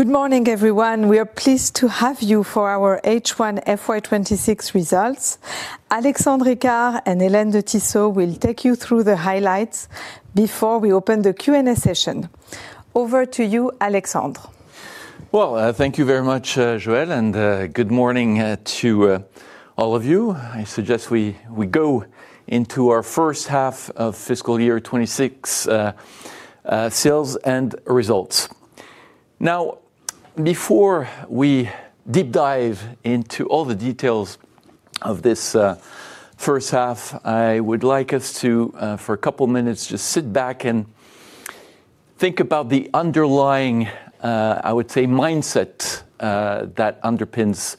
Good morning everyone. We are pleased to have you for our H1 FY 2026 results". Alexandre and Hélène de Tissot will take you through the highlights. Before we open the Q&A session. Over to you Alexandre. Well, thank you very much, Joelle, and good morning to all of you. I suggest we go into our first half of fiscal year 2026 sales and results. Now, before we deep dive into all the details of this first half, I would like us to, for a couple minutes, just sit back and think about the underlying, I would say, mindset that underpins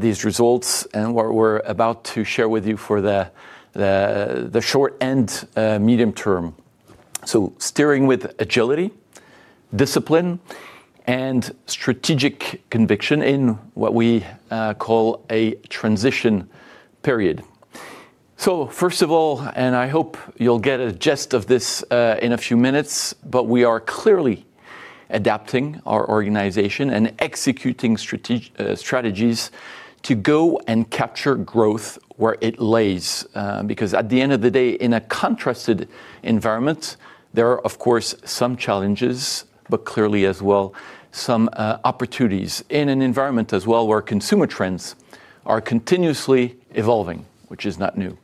these results and what we're about to share with you for the short and medium term. Steering with agility, discipline, and strategic conviction in what we call a transition period. First of all, and I hope you'll get a gist of this in a few minutes, but we are clearly adapting our organization and executing strategies to go and capture growth where it lays. Because at the end of the day, in a contrasted environment, there are, of course, some challenges, but clearly as well, some opportunities in an environment as well, where consumer trends are continuously evolving, which is not new.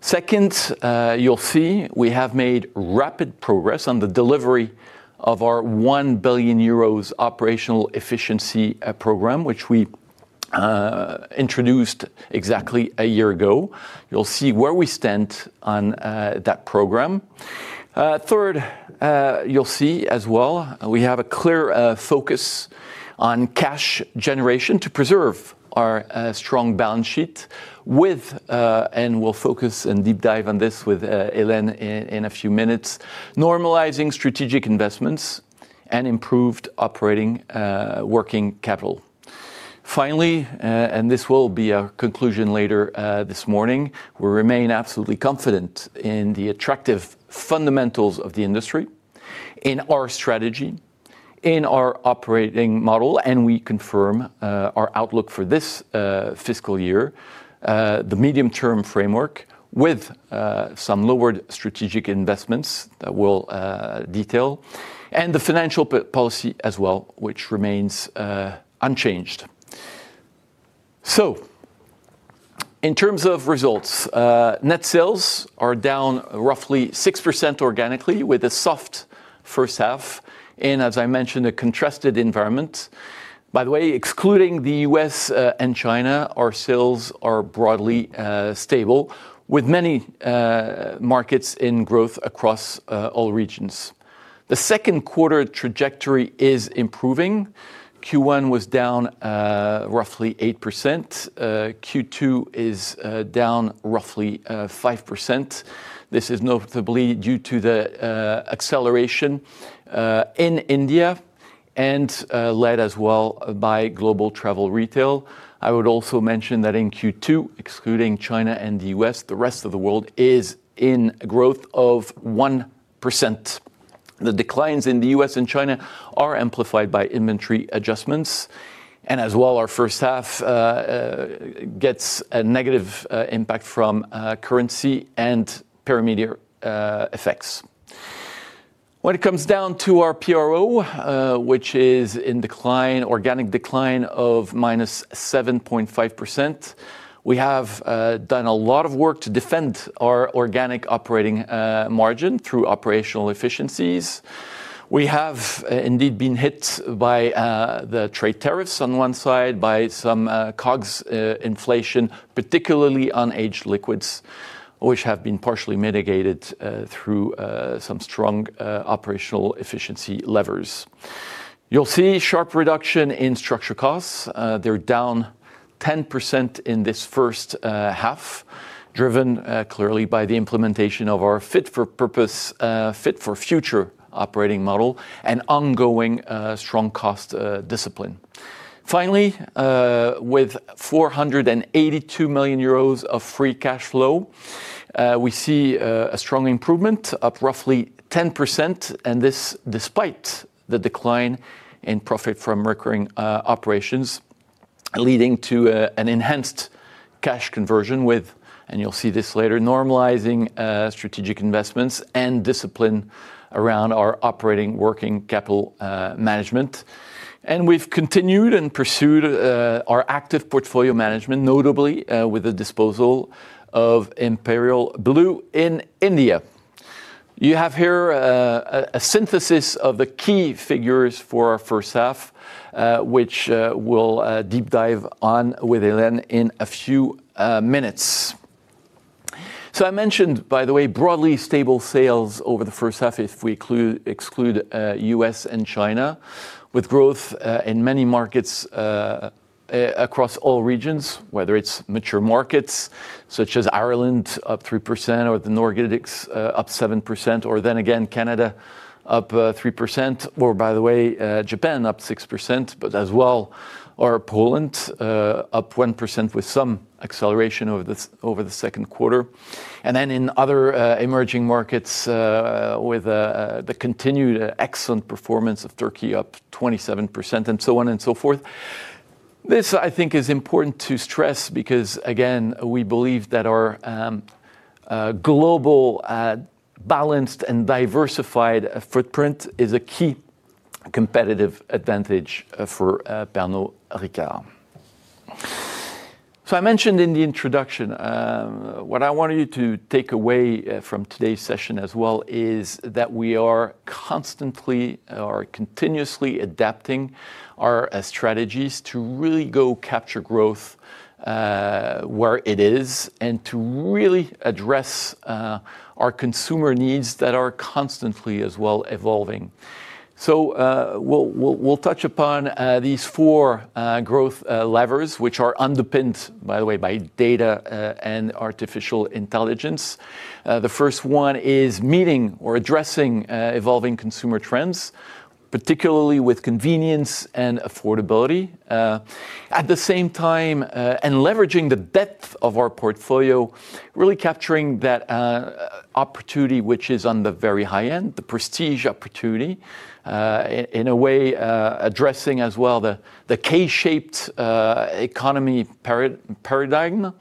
Second, you'll see, we have made rapid progress on the delivery of our 1 billion euros operational efficiency program, which we introduced exactly a year ago. You'll see where we stand on that program. Third, you'll see as well, we have a clear focus on cash generation to preserve our strong balance sheet with, and we'll focus and deep dive on this with Hélène in a few minutes, normalizing strategic investments and improved operating working capital. Finally, and this will be a conclusion later this morning, we remain absolutely confident in the attractive fundamentals of the industry, in our strategy, in our operating model, and we confirm our outlook for this fiscal year, the medium-term framework, with some lowered strategic investments that we'll detail, and the financial policy as well, which remains unchanged. In terms of results, net sales are down roughly 6% organically, with a soft first half, and as I mentioned, a contrasted environment. By the way, excluding the U.S. and China, our sales are broadly stable, with many markets in growth across all regions. The second quarter trajectory is improving. Q1 was down roughly 8%. Q2 is down roughly 5%. This is notably due to the acceleration in India and led as well by global travel retail. I would also mention that in Q2, excluding China and the U.S., the rest of the world is in growth of 1%. The declines in the U.S. and China are amplified by inventory adjustments, and as well, our first half gets a negative impact from currency and perimeter effects. When it comes down to our PRO, which is in decline, organic decline of -7.5%, we have done a lot of work to defend our organic operating margin through operational efficiencies. We have indeed been hit by the trade tariffs on one side, by some COGS inflation, particularly on aged liquids, which have been partially mitigated through some strong operational efficiency levers. You'll see sharp reduction in structure costs. They're down 10% in this first half, driven clearly by the implementation of our fit-for-purpose, Fit for Future operating model and ongoing strong cost discipline. Finally, with 482 million euros of Free Cash Flow, we see a strong improvement, up roughly 10%, and this despite the decline in Profit from Recurring Operations, leading to an enhanced cash conversion with, and you'll see this later, normalizing strategic investments and discipline around our operating working capital management. We've continued and pursued our active portfolio management, notably with the disposal of Imperial Blue in India. You have here a synthesis of the key figures for our first half, which we'll deep dive on with Hélène in a few minutes. I mentioned, by the way, broadly stable sales over the first half, if we exclude U.S. and China, with growth in many markets across all regions, whether it's mature markets, such as Ireland, up 3%, or the Nordics, up 7%, or then again, Canada, up 3%, or by the way, Japan, up 6%, but as well, or Poland, up 1% with some acceleration over the second quarter. In other emerging markets, with the continued excellent performance of Turkey, up 27%, and so on and so forth. This, I think, is important to stress, because, again, we believe that our global, balanced and diversified footprint is a key competitive advantage for Pernod Ricard. I mentioned in the introduction, what I wanted you to take away from today's session as well, is that we are constantly or continuously adapting our strategies to really go capture growth where it is, and to really address our consumer needs that are constantly, as well, evolving. We'll touch upon these four growth levers, which are underpinned, by the way, by data and artificial intelligence. The first one is meeting or addressing evolving consumer trends, particularly with convenience and affordability. At the same time, and leveraging the depth of our portfolio, really capturing that opportunity which is on the very high end, the prestige opportunity, in a way addressing as well the K-shaped economy paradigm.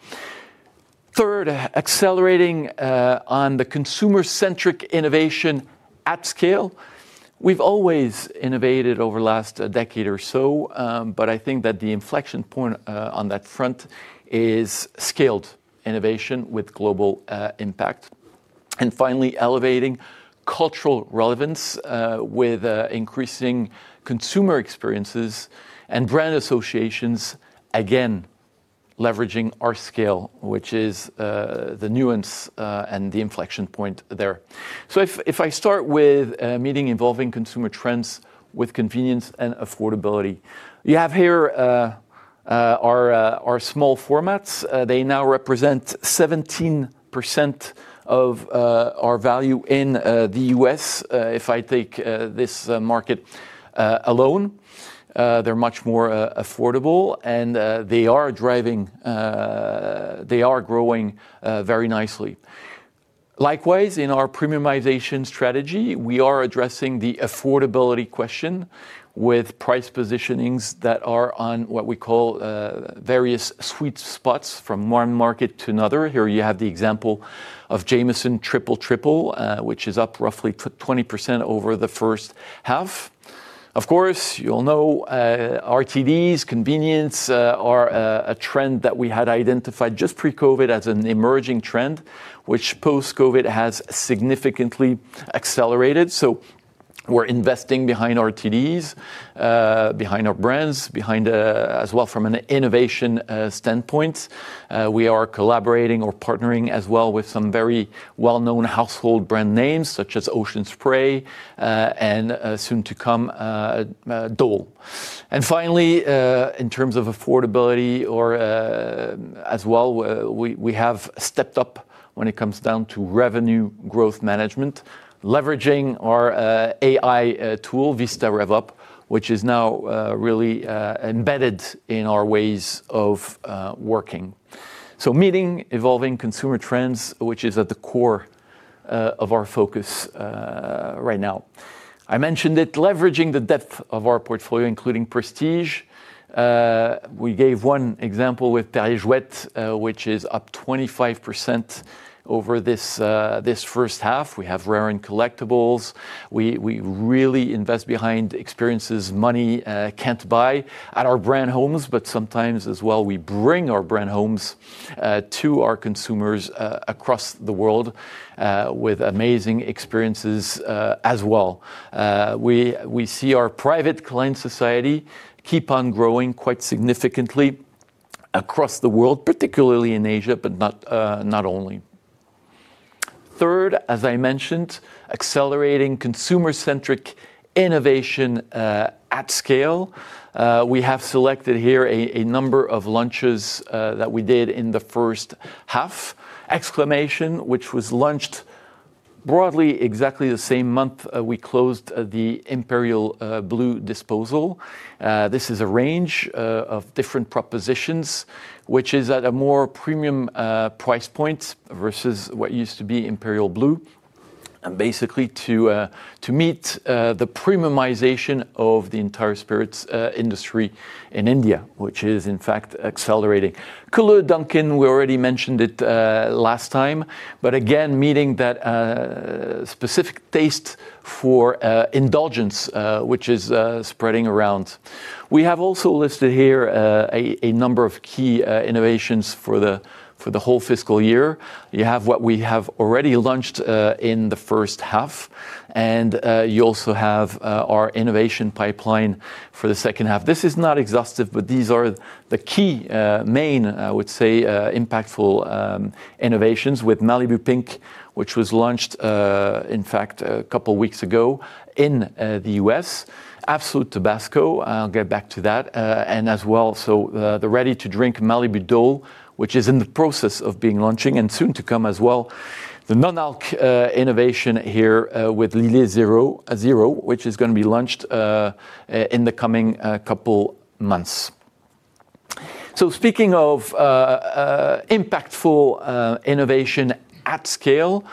"Third, accelerating on the consumer-centric innovation at scale." We've always innovated over the last decade or so, but I think that the inflection point on that front is scaled innovation with global impact. Finally, elevating culture relevance with increasing consumer experience and brand associations, again, leveraging our scale, which is nuance and the inflection point there. If I start with meeting evolving consumer trends with convenience and affordability, you have here our small formats. They now represent 17% of our value in the U.S. if I take this market alone. They're much more affordable, and they are growing very nicely. Likewise, in our premiumization strategy, we are addressing the affordability question with price positionings that are on what we call various sweet spots from one market to another. Here you have the example of Jameson Triple Triple, which is up roughly 20% over the first half. Of course, you all know RTDs, convenience are a trend that we had identified just pre-COVID as an emerging trend, which post-COVID has significantly accelerated. We're investing behind RTDs, behind our brands, behind as well, from an innovation standpoint. We are collaborating or partnering as well with some very well-known household brand names, such as Ocean Spray and soon to come Dole. Finally, in terms of affordability or as well, we have stepped up when it comes down to revenue growth management, leveraging our AI tool, Vista RevUp, which is now really embedded in our ways of working. Meeting evolving consumer trends, which is at the core of our focus right now. I mentioned it, leveraging the depth of our portfolio, including prestige. We gave one example with Perrier-Jouët, which is up 25% over this first half. We have rare and collectibles. We really invest behind experiences money can't buy at our brand homes, but sometimes as well, we bring our brand homes to our consumers across the world with amazing experiences as well. We see our Private Client Society keep on growing quite significantly across the world, particularly in Asia, but not only. Third, as I mentioned, accelerating consumer-centric innovation at scale. We have selected here a number of launches that we did in the first half. Xclamation, which was launched broadly exactly the same month we closed the Imperial Blue disposal. This is a range of different propositions, which is at a more premium price point versus what used to be Imperial Blue, and basically to meet the premiumization of the entire spirits industry in India, which is, in fact, accelerating. Kahlúa Dunkin', we already mentioned it last time, but again, meeting that specific taste for indulgence, which is spreading around. We have also listed here a number of key innovations for the whole fiscal year. You have what we have already launched in the first half, and you also have our innovation pipeline for the second half. This is not exhaustive, but these are the key, main, I would say, impactful innovations with Malibu Pink, which was launched, in fact, a couple weeks ago in the U.S. Absolut Tabasco, I'll get back to that. As well, the ready-to-drink Malibu Dole, which is in the process of being launching, and soon to come as well, the non-alc innovation here with Lillet Zero, which is gonna be launched in the coming couple months. Speaking of impactful innovation at scale,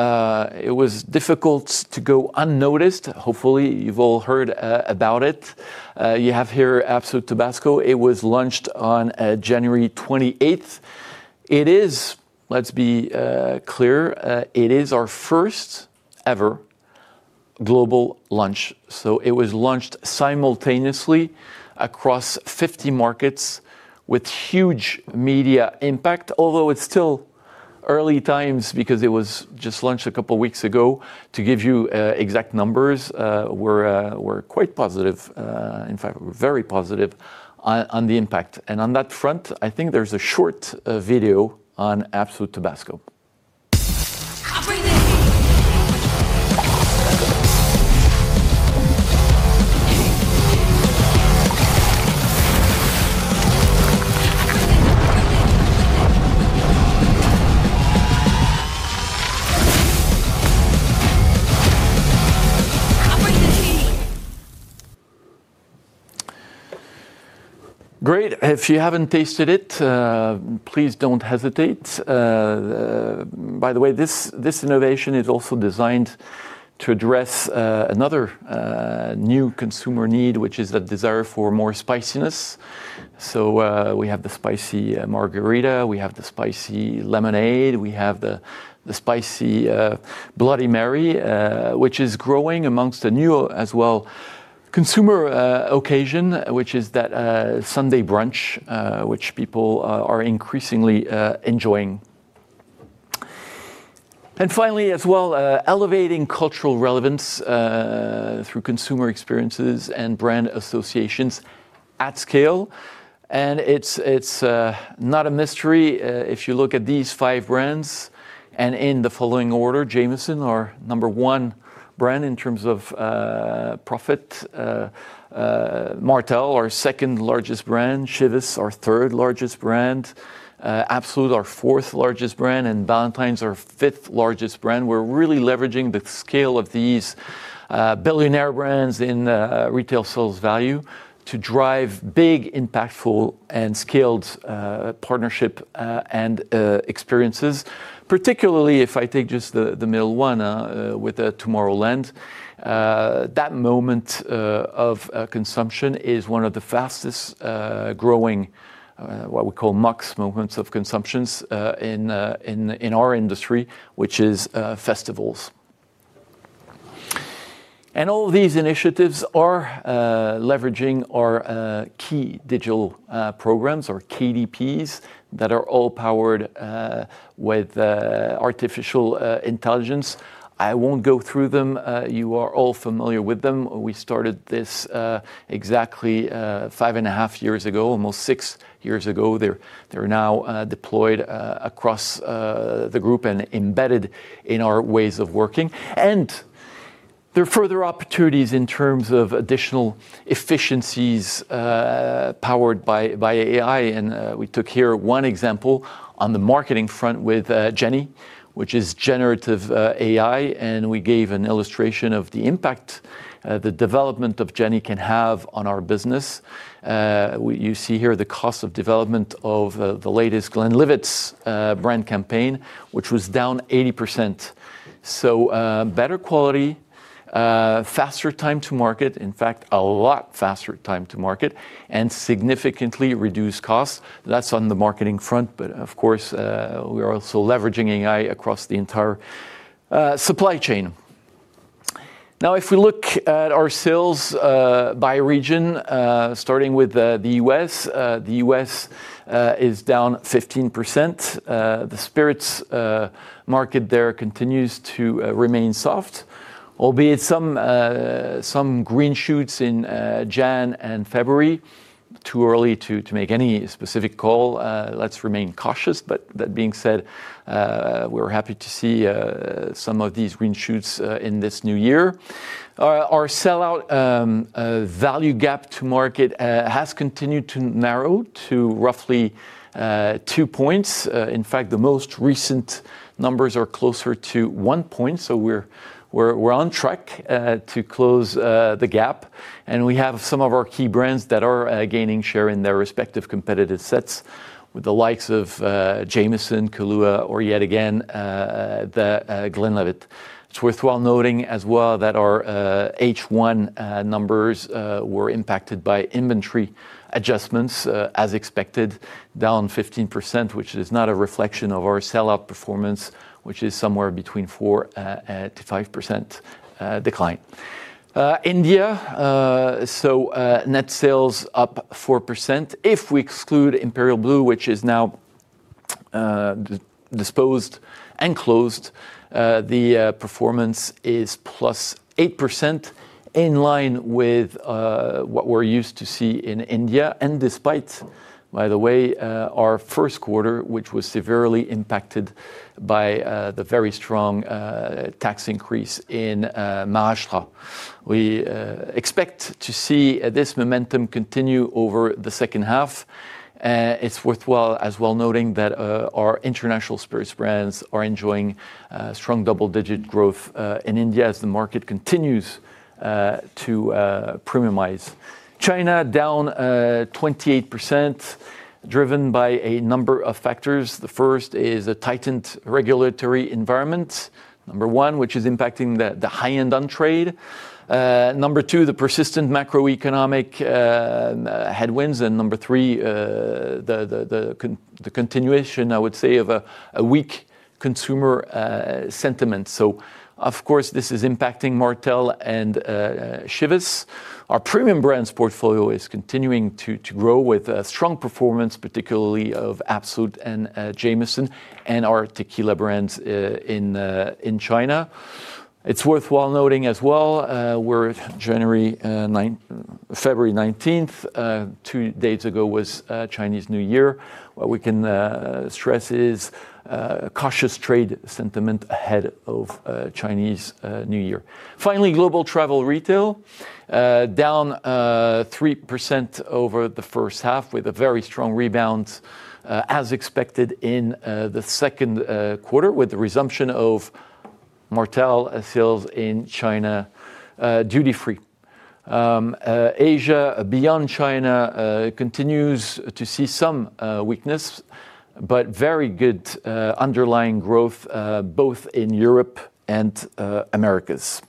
it was difficult to go unnoticed. Hopefully, you've all heard about it. You have here Absolut Tabasco. It was launched on January 28th. It is, let's be clear, it is our first-ever global launch. It was launched simultaneously across 50 markets with huge media impact. Although it's still early times because it was just launched a couple of weeks ago. To give you exact numbers, we're quite positive, in fact, we're very positive on the impact. On that front, I think there's a short video on Absolut Tabasco. Great. If you haven't tasted it, please don't hesitate. By the way, this innovation is also designed to address another new consumer need, which is the desire for more spiciness. We have the spicy margarita, we have the spicy lemonade, we have the spicy Bloody Mary, which is growing amongst the new as well. Consumer occasion, which is that Sunday Brunch, which people are increasingly enjoying. Finally, as well, elevating cultural relevance through consumer experiences and brand associations at scale. It's not a mystery if you look at these five brands, and in the following order, Jameson, our number one brand in terms of profit, Martell, our second largest brand, Chivas, our third largest brand, Absolut, our fourth largest brand, and Ballantine's, our fifth largest brand. We're really leveraging the scale of these billionaire brands in retail sales value to drive big, impactful and scaled partnership and experiences, particularly if I take just the middle one with Tomorrowland. That moment of consumption is one of the fastest growing what we call MOCs, Moments of Consumption, in our industry, which is festivals. All these initiatives are leveraging our Key Digital Programs, or KDPs, that are all powered with artificial intelligence. I won't go through them. You are all familiar with them. We started this exactly five and a half years ago, almost six years ago. They're now deployed across the group and embedded in our ways of working. There are further opportunities in terms of additional efficiencies powered by AI. We took here one example on the marketing front with GenAI, which is generative AI, and we gave an illustration of the impact the development of GenAI can have on our business. You see here the cost of development of the latest Glenlivet's brand campaign, which was down 80%. Better quality, faster time to market, in fact, a lot faster time to market, and significantly reduced costs. That's on the marketing front, but of course, we are also leveraging AI across the entire supply chain. If we look at our sales by region, starting with the U.S., the U.S. is down 15%. The spirits market there continues to remain soft, albeit some green shoots in January and February. Too early to make any specific call. Let's remain cautious, but that being said, we're happy to see some of these green shoots in this new year. Our sellout value gap to market has continued to narrow to roughly two points. In fact, the most recent numbers are closer to 1 point, so we're on track to close the gap. We have some of our key brands that are gaining share in their respective competitive sets with the likes of Jameson, Kahlúa, or yet again, The Glenlivet. It's worthwhile noting as well that our H1 numbers were impacted by inventory adjustments, as expected, down 15%, which is not a reflection of our sellout performance, which is somewhere between 4%-5% decline. India, net sales up 4%. If we exclude Imperial Blue, which is now. Disposed and closed, the performance is +8%, in line with what we're used to see in India, and despite, by the way, our first quarter, which was severely impacted by the very strong tax increase in Maharashtra. We expect to see this momentum continue over the second half. It's worthwhile as well noting that our international spirits brands are enjoying strong double-digit growth in India as the market continues to premiumize. China, down -28%, driven by a number of factors. The first is a tightened regulatory environment, number one, which is impacting the high-end on-trade. Number two, the persistent macroeconomic headwinds. Number three, the continuation, I would say, of a weak consumer sentiment. Of course, this is impacting Martell and Chivas. Our premium brands portfolio is continuing to grow with a strong performance, particularly of Absolut and Jameson and our tequila brands in China. It's worthwhile noting as well, we're February 19th. Two days ago was Chinese New Year. What we can stress is cautious trade sentiment ahead of Chinese New Year. Finally, global travel retail down 3% over the first half, with a very strong rebound as expected in the second quarter, with the resumption of Martell sales in China duty-free. Asia, beyond China, continues to see some weakness, but very good underlying growth both in Europe and Americas.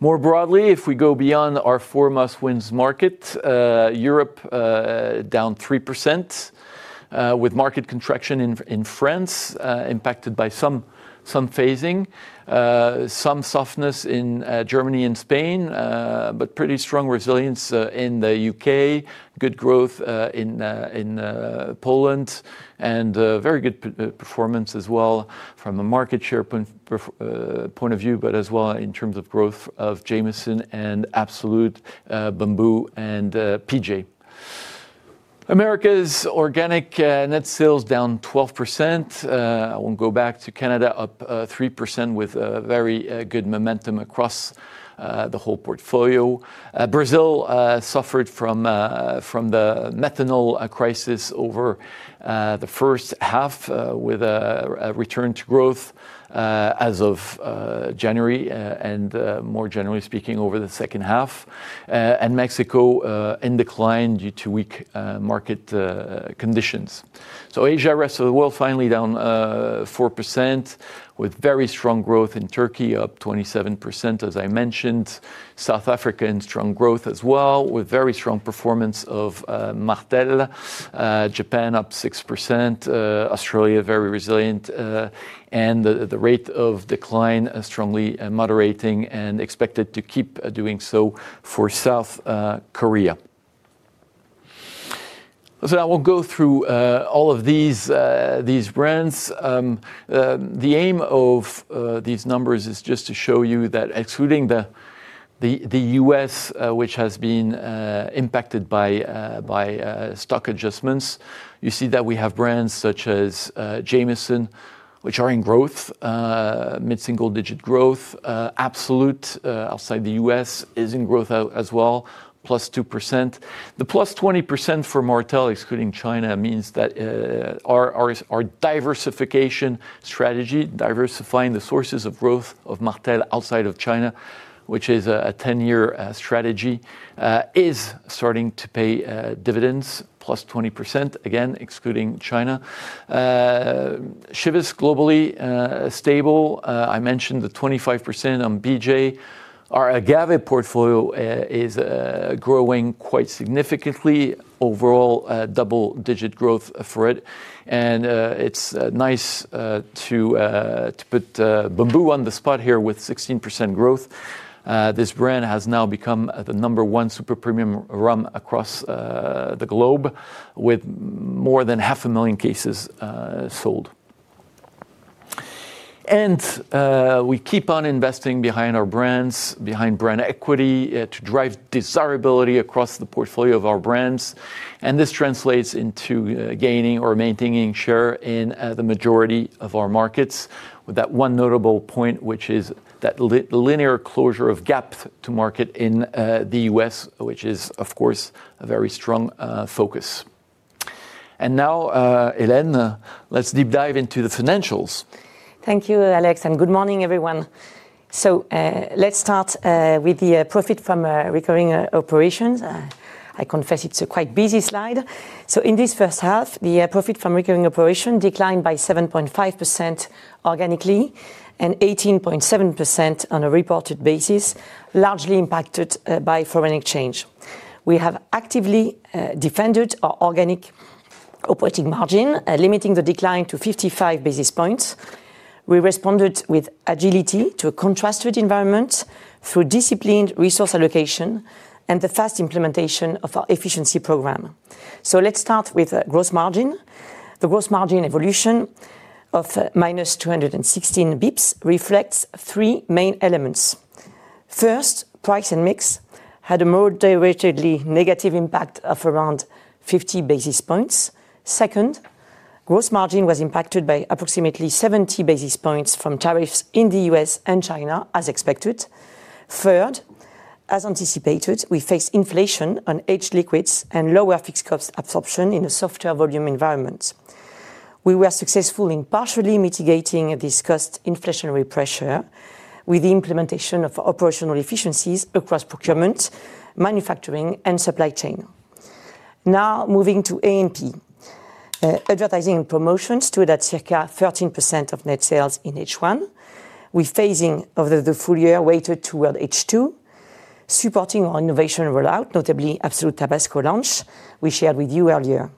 More broadly, if we go beyond our four must-wins market, Europe down 3% with market contraction in France impacted by some phasing, some softness in Germany and Spain, but pretty strong resilience in the U.K., good growth in Poland, and very good performance as well from a market share point of view, but as well in terms of growth of Jameson and Absolut, Bumbu and P.J. Americas organic net sales down 12%. I won't go back to Canada, up 3% with very good momentum across the whole portfolio. Brazil suffered from the methanol crisis over the first half with a return to growth as of January and, more generally speaking, over the second half. Mexico in decline due to weak market conditions. Asia, rest of the world, finally, down 4%, with very strong growth in Turkey, up 27%, as I mentioned. South Africa in strong growth as well, with very strong performance of Martell. Japan up 6%, Australia, very resilient, and the rate of decline strongly moderating and expected to keep doing so for South Korea. I will go through all of these brands. The aim of these numbers is just to show you that excluding the U.S., which has been impacted by stock adjustments, you see that we have brands such as Jameson, which are in growth, mid-single-digit growth. Absolut outside the U.S. is in growth out as well, +2%. The +20% for Martell, excluding China, means that our diversification strategy, diversifying the sources of growth of Martell outside of China, which is a 10 year strategy, is starting to pay dividends, +20%, again, excluding China. Chivas, globally, stable. I mentioned the 25% on PJ. Our agave portfolio is growing quite significantly. Overall, double-digit growth for it. It's nice to put Bumbu on the spot here with 16% growth. This brand has now become the number one super premium rum across the globe, with more than 500,000 cases sold. We keep on investing behind our brands, behind brand equity to drive desirability across the portfolio of our brands, and this translates into gaining or maintaining share in the majority of our markets. With that one notable point, which is that linear closure of gap to market in the U.S., which is, of course, a very strong focus. Now, Hélène, let's deep dive into the financials. Thank you, Alex, and good morning, everyone. Let's start with the Profit from Recurring Operations. I confess it's a quite busy slide. In this first half, the Profit from Recurring Operations declined by 7.5% organically and 18.7% on a reported basis, largely impacted by foreign exchange. We have actively defended our organic operating margin, limiting the decline to 55 basis points. We responded with agility to a contrasted environment through disciplined resource allocation and the fast implementation of our efficiency program. Let's start with gross margin. The gross margin evolution of -216 basis points reflects three main elements. First, price and mix had a more directly negative impact of around 50 basis points. Second, gross margin was impacted by approximately 70 basis points from tariffs in the U.S. and China, as expected. Third, as anticipated, we faced inflation on aged liquids and lower fixed costs absorption in a softer volume environment. We were successful in partially mitigating a discussed inflationary pressure with the implementation of operational efficiencies across procurement, manufacturing, and supply chain. Now, moving to A&P, advertising and promotions stood at circa 13% of net sales in H1, with phasing of the full year weighted toward H2, supporting our innovation rollout, notably Absolut Tabasco launch we shared with you earlier.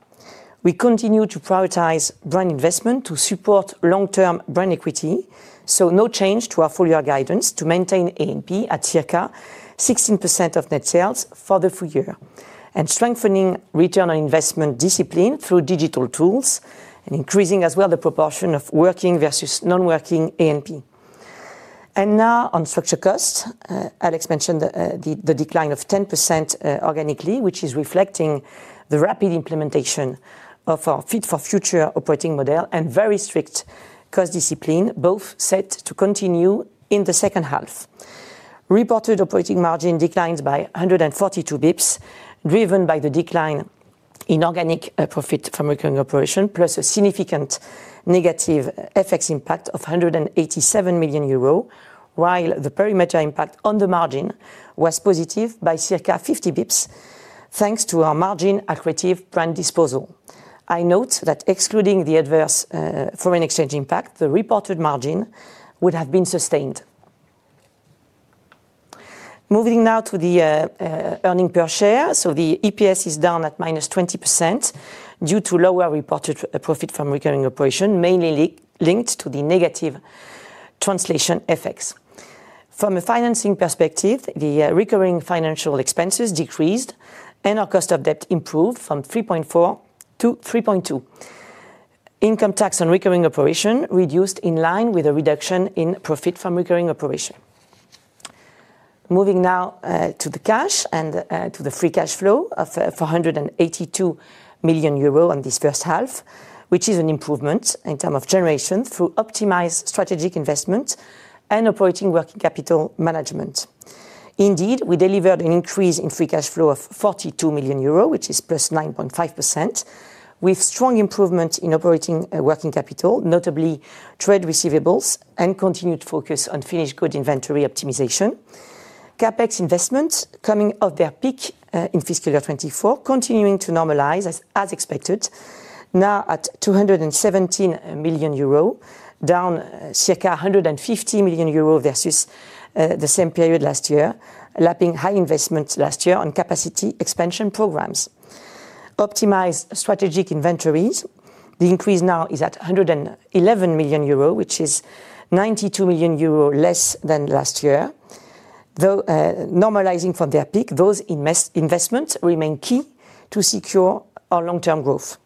We continue to prioritize brand investment to support long-term brand equity, so no change to our full-year guidance to maintain A&P at circa 16% of net sales for the full year. Strengthening return on investment discipline through digital tools and increasing as well the proportion of working versus non-working A&P. Now on structure cost, Alex mentioned the decline of 10% organically, which is reflecting the rapid implementation of our Fit for Future operating model and very strict cost discipline, both set to continue in the second half. Reported operating margin declines by 142 basis points, driven by the decline in organic profit from recurring operation, plus a significant negative FX impact of 187 million euro, while the perimeter impact on the margin was positive by circa 50 basis points, thanks to our margin accretive brand disposal. I note that excluding the adverse foreign exchange impact, the reported margin would have been sustained. Moving now to the earning per share. The EPS is down at -20% due to lower reported Profit from Recurring Operation, mainly linked to the negative translation effects. From a financing perspective, the recurring financial expenses decreased, and our cost of debt improved from 3.4%-3.2%. Income tax on Recurring Operation reduced in line with a reduction in Profit from Recurring Operation. Moving now to the cash and to the Free Cash Flow of 482 million euro on this first half, which is an improvement in term of generation through optimized strategic investment and operating working capital management. Indeed, we delivered an increase in Free Cash Flow of 42 million euros, which is +9.5%, with strong improvement in operating working capital, notably trade receivables and continued focus on finished good inventory optimization. CapEx investments coming off their peak in fiscal year 2024, continuing to normalize as expected, now at 217 million euro, down circa 150 million euro versus the same period last year, lapping high investments last year on capacity expansion programs. Optimized strategic inventories, the increase now is at 111 million euro, which is 92 million euro less than last year. Though normalizing from their peak, those investments remain key to secure our long-term growth.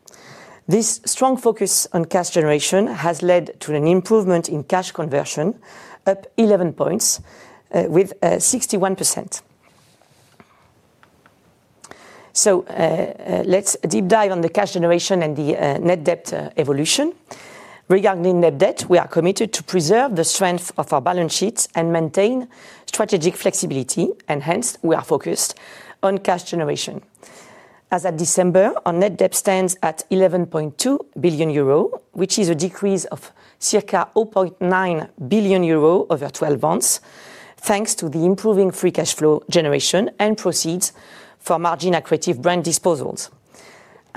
This strong focus on cash generation has led to an improvement in cash conversion, up 11 points with 61%. Let's deep dive on the cash generation and the net debt evolution. Regarding net debt, we are committed to preserve the strength of our balance sheets and maintain strategic flexibility, and hence, we are focused on cash generation. As at December, our net debt stands at 11.2 billion euro, which is a decrease of circa 0.9 billion euro over 12 months, thanks to the improving Free Cash Flow generation and proceeds from margin-accretive brand disposals.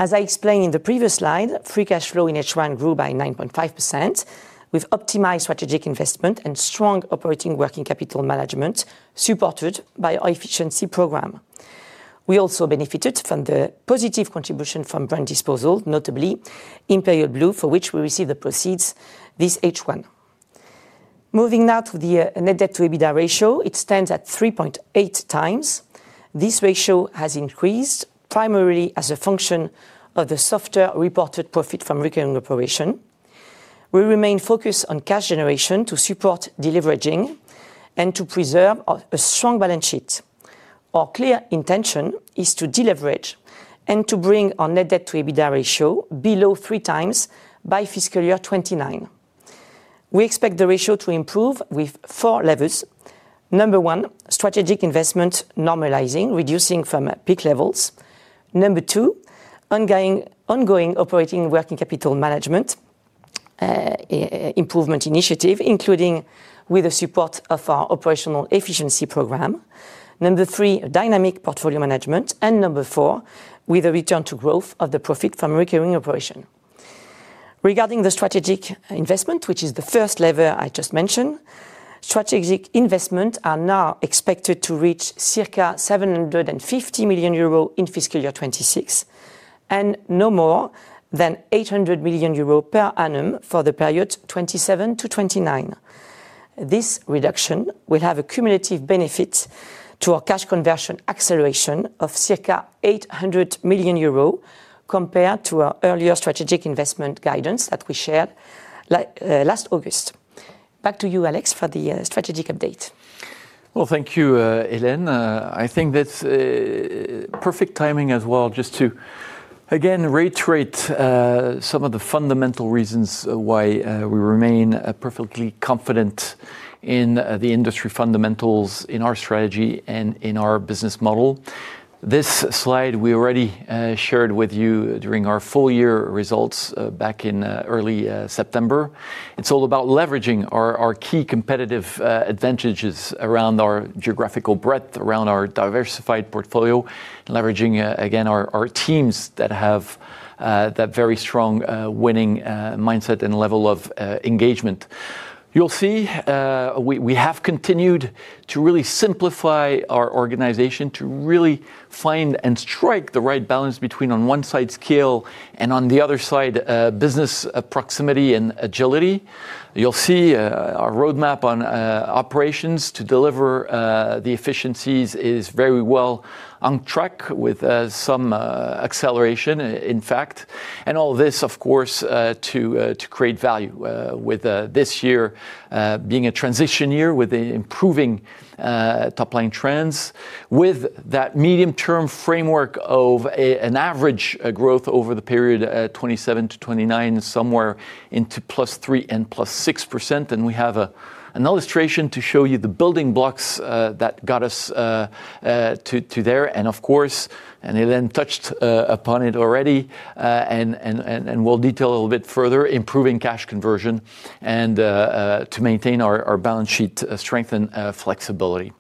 As I explained in the previous slide, Free Cash Flow in H1 grew by 9.5%, with optimized strategic investment and strong operating working capital management, supported by our efficiency program. We also benefited from the positive contribution from brand disposal, notably Imperial Blue, for which we received the proceeds this H1. Moving now to the net-debt-to-EBITDA ratio, it stands at 3.8x. This ratio has increased primarily as a function of the softer reported Profit from Recurring Operation. We remain focused on cash generation to support deleveraging and to preserve a strong balance sheet. Our clear intention is to deleverage and to bring our Net Debt to EBITDA Ratio below 3x by fiscal year 2029. We expect the ratio to improve with four levers. Number one, strategic investment normalizing, reducing from peak levels. Number two, ongoing operating working capital management improvement initiative, including with the support of our operational efficiency program. Number three, dynamic portfolio management. Number four, with a return to growth of the Profit from Recurring Operation. Regarding the strategic investment, which is the first lever I just mentioned. Strategic investment are now expected to reach circa 750 million euro in fiscal year 2026, and no more than 800 million euro per annum for the period 2027-2029. This reduction will have a cumulative benefit to our cash conversion acceleration of circa 800 million euros, compared to our earlier strategic investment guidance that we shared last August. Back to you, Alex, for the strategic update. Well, thank you, Hélène. I think that's perfect timing as well, just to, again, reiterate some of the fundamental reasons why we remain perfectly confident in the industry fundamentals in our strategy and in our business model. This slide we already shared with you during our full year results back in early September. It's all about leveraging our key competitive advantages around our geographical breadth, around our diversified portfolio, leveraging again our teams that have that very strong winning mindset and level of engagement. You'll see we have continued to really simplify our organization to really find and strike the right balance between, on one side, scale, and on the other side, business proximity and agility. You'll see our roadmap on operations to deliver the efficiencies is very well on track with some acceleration, in fact. All this, of course, to create value, with this year being a transition year with the improving top-line trends. With that medium-term framework of an average growth over the period 2027-2029, somewhere into +3% and +6%, and we have an illustration to show you the building blocks that got us to there. Of course, and Hélène touched upon it already, and we'll detail a little bit further, improving cash conversion and to maintain our balance sheet strength and flexibility.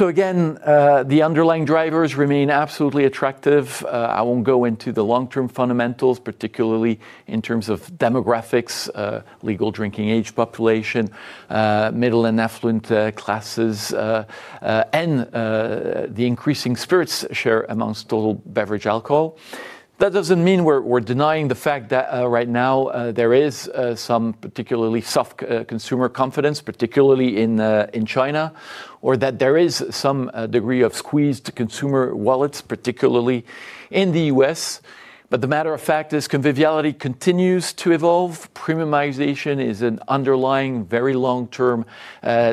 Again, the underlying drivers remain absolutely attractive. I won't go into the long-term fundamentals, particularly in terms of demographics, legal drinking age population, middle and affluent classes, and the increasing spirits share amongst all beverage alcohol. That doesn't mean we're denying the fact that right now there is some particularly soft consumer confidence, particularly in China, or that there is some degree of squeeze to consumer wallets, particularly in the U.S.. But the matter of fact, this conviviality continues to evolve. Premiumization is an underlying, very long term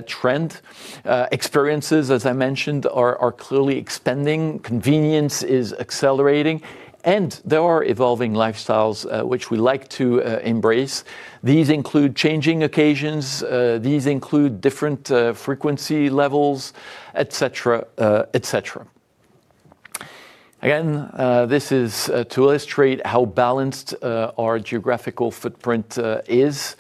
trend. Experiences, as i mentioned, are clearly expanding. Convenience is accelerating. There are evolving lifestyles which we like to embrace. These include changing occasions, these include different frequency levels, etc. Again, this is to illustrate how balanced our geographical footprint is.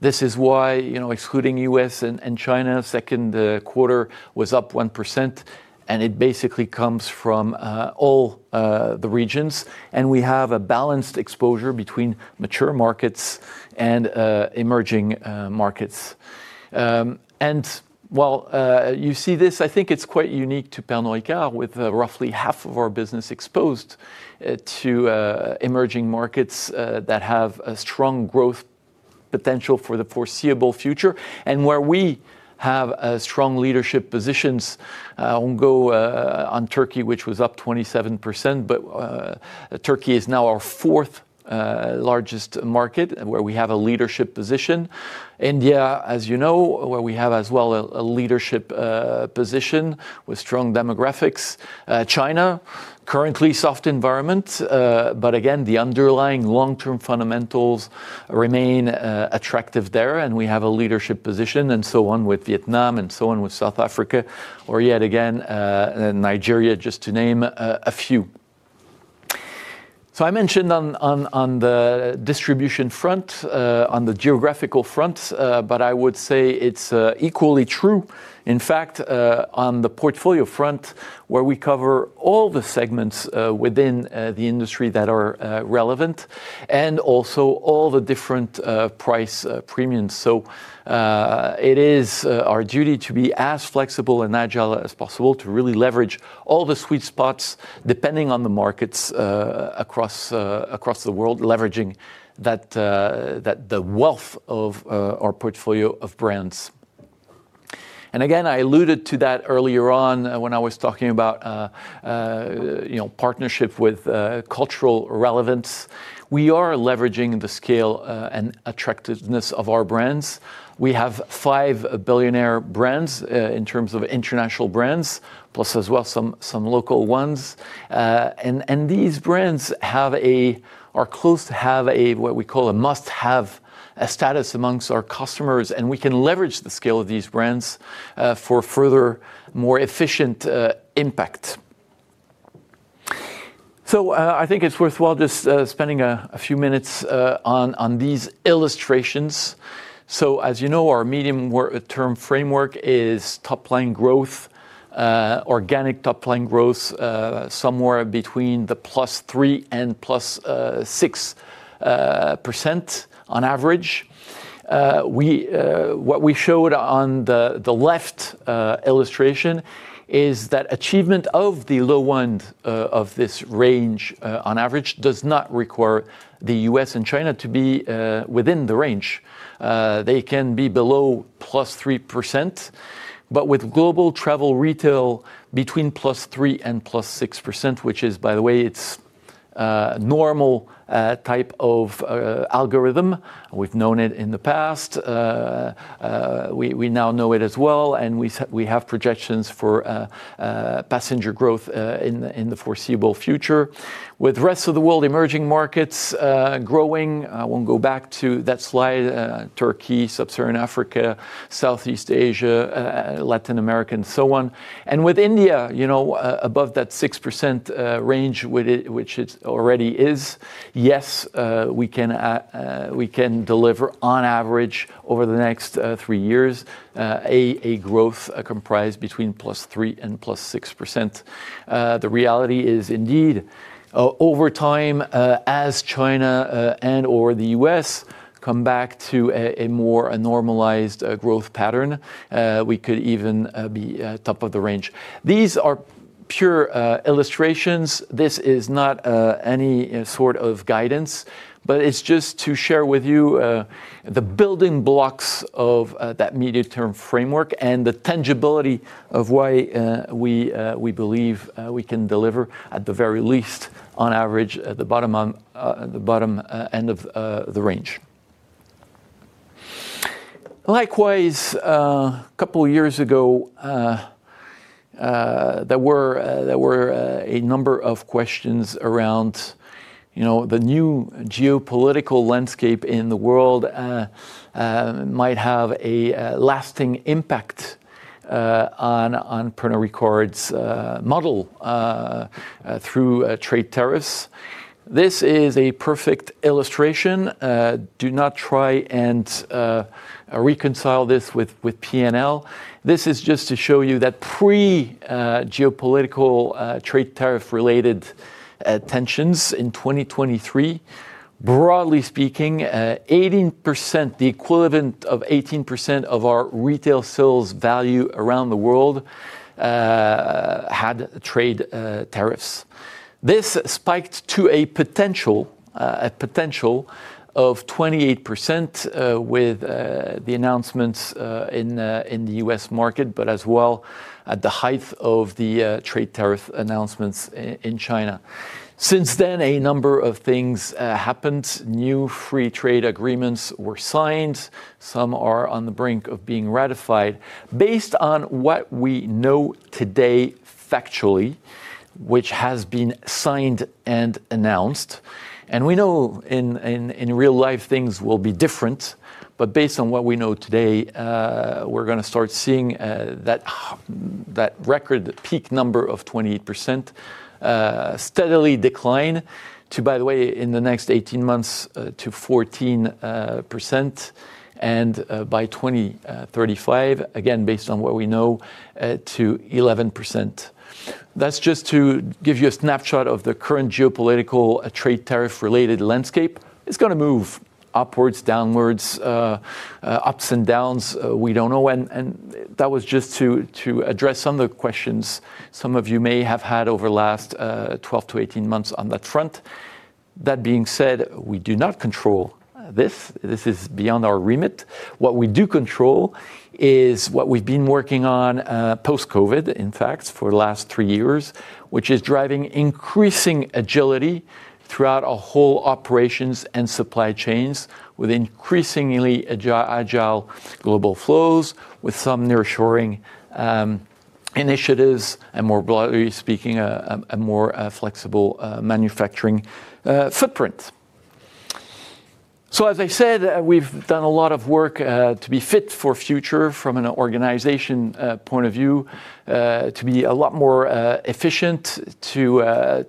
This is why, you know, excluding U.S. and China, second quarter was up 1%, and it basically comes from all the regions, and we have a balanced exposure between mature markets and emerging markets. While you see this, I think it's quite unique to Pernod Ricard, with roughly half of our business exposed to emerging markets that have a strong growth potential for the foreseeable future, and where we have a strong leadership positions on Turkey, which was up 27%. Turkey is now our fourth largest market, and where we have a leadership position. India, as you know, where we have as well, a leadership position with strong demographics. China, currently soft environment, but again, the underlying long-term fundamentals remain attractive there, and we have a leadership position, and so on with Vietnam, and so on with South Africa, or yet again, Nigeria, just to name a few. I mentioned on the distribution front, on the geographical front, but I would say it's equally true. In fact, on the portfolio front, where we cover all the segments within the industry that are relevant, and also all the different price premiums. It is our duty to be as flexible and agile as possible to really leverage all the sweet spots, depending on the markets across the world, leveraging the wealth of our portfolio of brands. Again, I alluded to that earlier on when I was talking about, you know, partnership with cultural relevance. We are leveraging the scale and attractiveness of our brands. We have five billionaire brands in terms of international brands, plus as well, some local ones. These brands are close to have a, what we call a must-have status amongst our customers, and we can leverage the scale of these brands for further, more efficient impact. I think it's worthwhile just spending a few minutes on these illustrations. As you know, our medium-term framework is top-line growth, organic top-line growth, somewhere between the +3% and +6% on average. What we showed on the left illustration is that achievement of the low end of this range, on average, does not require the U.S. and China to be within the range. They can be below +3%, but with global travel retail between +3% and +6%, which is, by the way, it's a normal type of algorithm. We've known it in the past. We now know it as well, and we have projections for passenger growth in the foreseeable future. With the rest of the world, emerging markets growing, I won't go back to that slide, Turkey, Sub-Saharan Africa, Southeast Asia, Latin America, and so on. With India, you know, above that 6% range, which it already is, yes, we can deliver on average over the next three years a growth comprised between +3% and +6%. The reality is indeed over time, as China and/or the U.S. come back to a more normalized growth pattern, we could even be top of the range. These are pure illustrations. This is not any sort of guidance, but it's just to share with you the building blocks of that medium-term framework and the tangibility of why we believe we can deliver, at the very least, on average, at the bottom end of the range. Likewise, a couple of years ago, there were a number of questions around, you know, the new geopolitical landscape in the world might have a lasting impact on Pernod Ricard model through trade tariffs. This is a perfect illustration. Do not try and reconcile this with P&L. This is just to show you that pre geopolitical trade tariff-related tensions in 2023, broadly speaking, 18%, the equivalent of 18% of our retail sales value around the world, had trade tariffs. This spiked to a potential of 28% with the announcements in the U.S. market, but as well at the height of the trade tariff announcements in China. Since then, a number of things happened. New free trade agreements were signed. Some are on the brink of being ratified. Based on what we know today, factually, which has been signed and announced, and we know in real life, things will be different, but based on what we know today, we're gonna start seeing that record peak number of 20% steadily decline to, by the way, in the next 18 months, to 14%, and by 2035, again, based on what we know, to 11%. That's just to give you a snapshot of the current geopolitical trade tariff-related landscape. It's gonna move upwards, downwards, ups and downs, we don't know. That was just to address some of the questions some of you may have had over the last 12-18 months on that front. That being said, we do not control this. This is beyond our remit. What we do control is what we've been working on post-COVID, in fact, for the last three years, which is driving increasing agility throughout our whole operations and supply chains with increasingly agile global flows, with some nearshoring initiatives, and more broadly speaking, a more flexible manufacturing footprint. As I said, we've done a lot of work to be Fit for Future from an organization point of view, to be a lot more efficient, to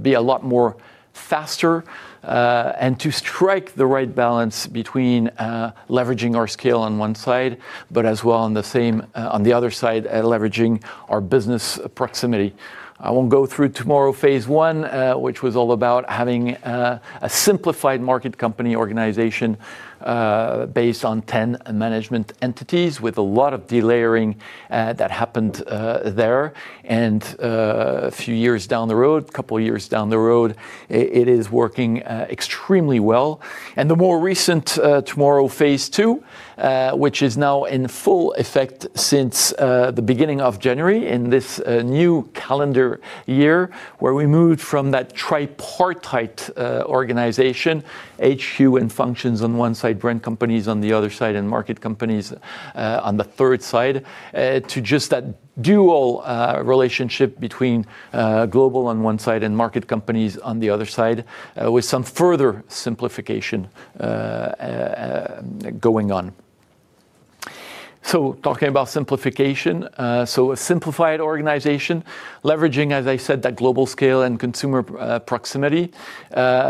be a lot more faster, and to strike the right balance between leveraging our scale on one side, but as well on the other side, leveraging our business proximity. I won't go through Tomorrow phase 1, which was all about having a simplified market company organization based on 10 management entities with a lot of delayering that happened there. A few years down the road, a couple of years down the road, it is working extremely well. The more recent Tomorrow phase 2, which is now in full effect since the beginning of January in this new calendar year, where we moved from that tripartite organization, H.Q. and functions on one side, brand companies on the other side, and market companies on the third side, to just that dual relationship between global on one side and market companies on the other side, with some further simplification going on. Talking about simplification, so a simplified organization, leveraging, as I said, that global scale and consumer proximity,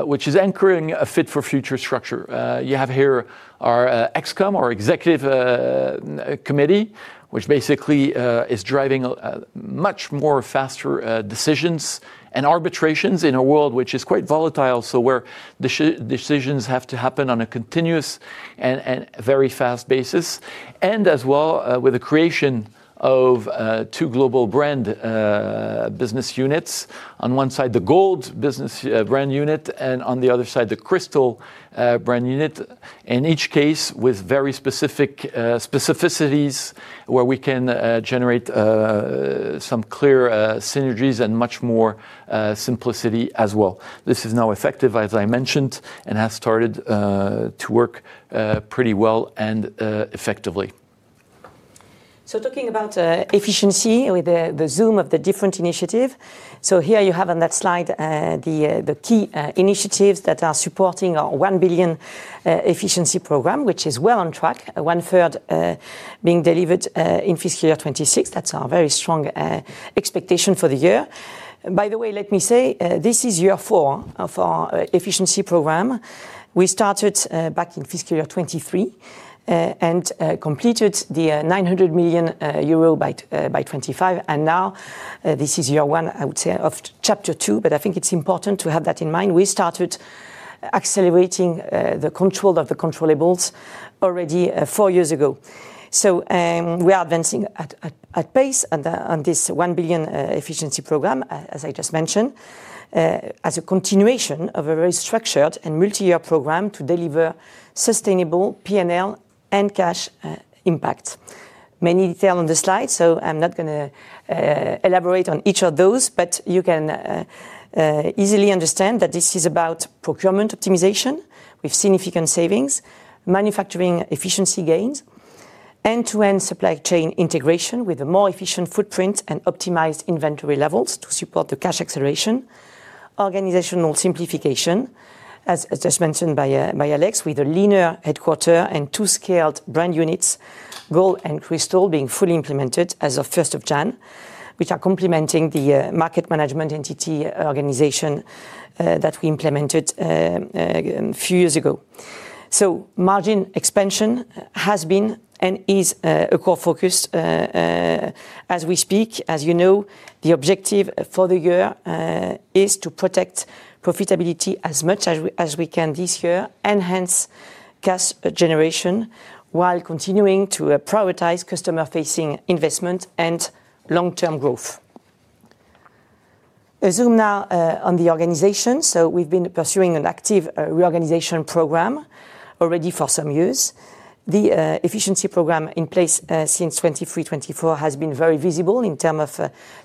which is anchoring a Fit for Future structure. You have here our ExCo, our Executive Committee, which basically is driving much more faster decisions and arbitrations in a world which is quite volatile, so where decisions have to happen on a continuous and very fast basis, and as well with the creation of two global brand business units. On one side, the Gold Business Brand Unit, and on the other side, the Crystal Brand Unit. In each case, with very specific specificities where we can generate some clear synergies and much more simplicity as well. This is now effective, as I mentioned, and has started to work pretty well and effectively. Talking about efficiency with the zoom of the different initiative, here you have on that slide the key initiatives that are supporting our 1 billion efficiency program, which is well on track, one-third being delivered in fiscal year 2026. That's our very strong expectation for the year. By the way, let me say, this is year four of our efficiency program. We started back in fiscal year 2023 and completed the 900 million euro by 2025, and now this is year one, I would say, of chapter two, but I think it's important to have that in mind. We started accelerating the control of the controllables already four years ago. We are advancing at pace on this 1 billion efficiency program, as I just mentioned, as a continuation of a very structured and multi-year program to deliver sustainable P&L and cash impact. Many detail on the slide, so I'm not gonna elaborate on each of those, but you can easily understand that this is about procurement optimization with significant savings, manufacturing efficiency gains, end-to-end supply chain integration with a more efficient footprint and optimized inventory levels to support the cash acceleration, organizational simplification, as just mentioned by Alex, with a leaner headquarter and two scaled brand units, Gold and Crystal, being fully implemented as of first of January, which are complementing the market management entity organization that we implemented a few years ago. Margin expansion has been and is a core focus. As we speak, as you know, the objective for the year is to protect profitability as much as we can this year, enhance cash generation, while continuing to prioritize customer-facing investment and long-term growth. A zoom now on the organization. We've been pursuing an active reorganization program already for some years. The efficiency program in place since 2023-2024 has been very visible in term of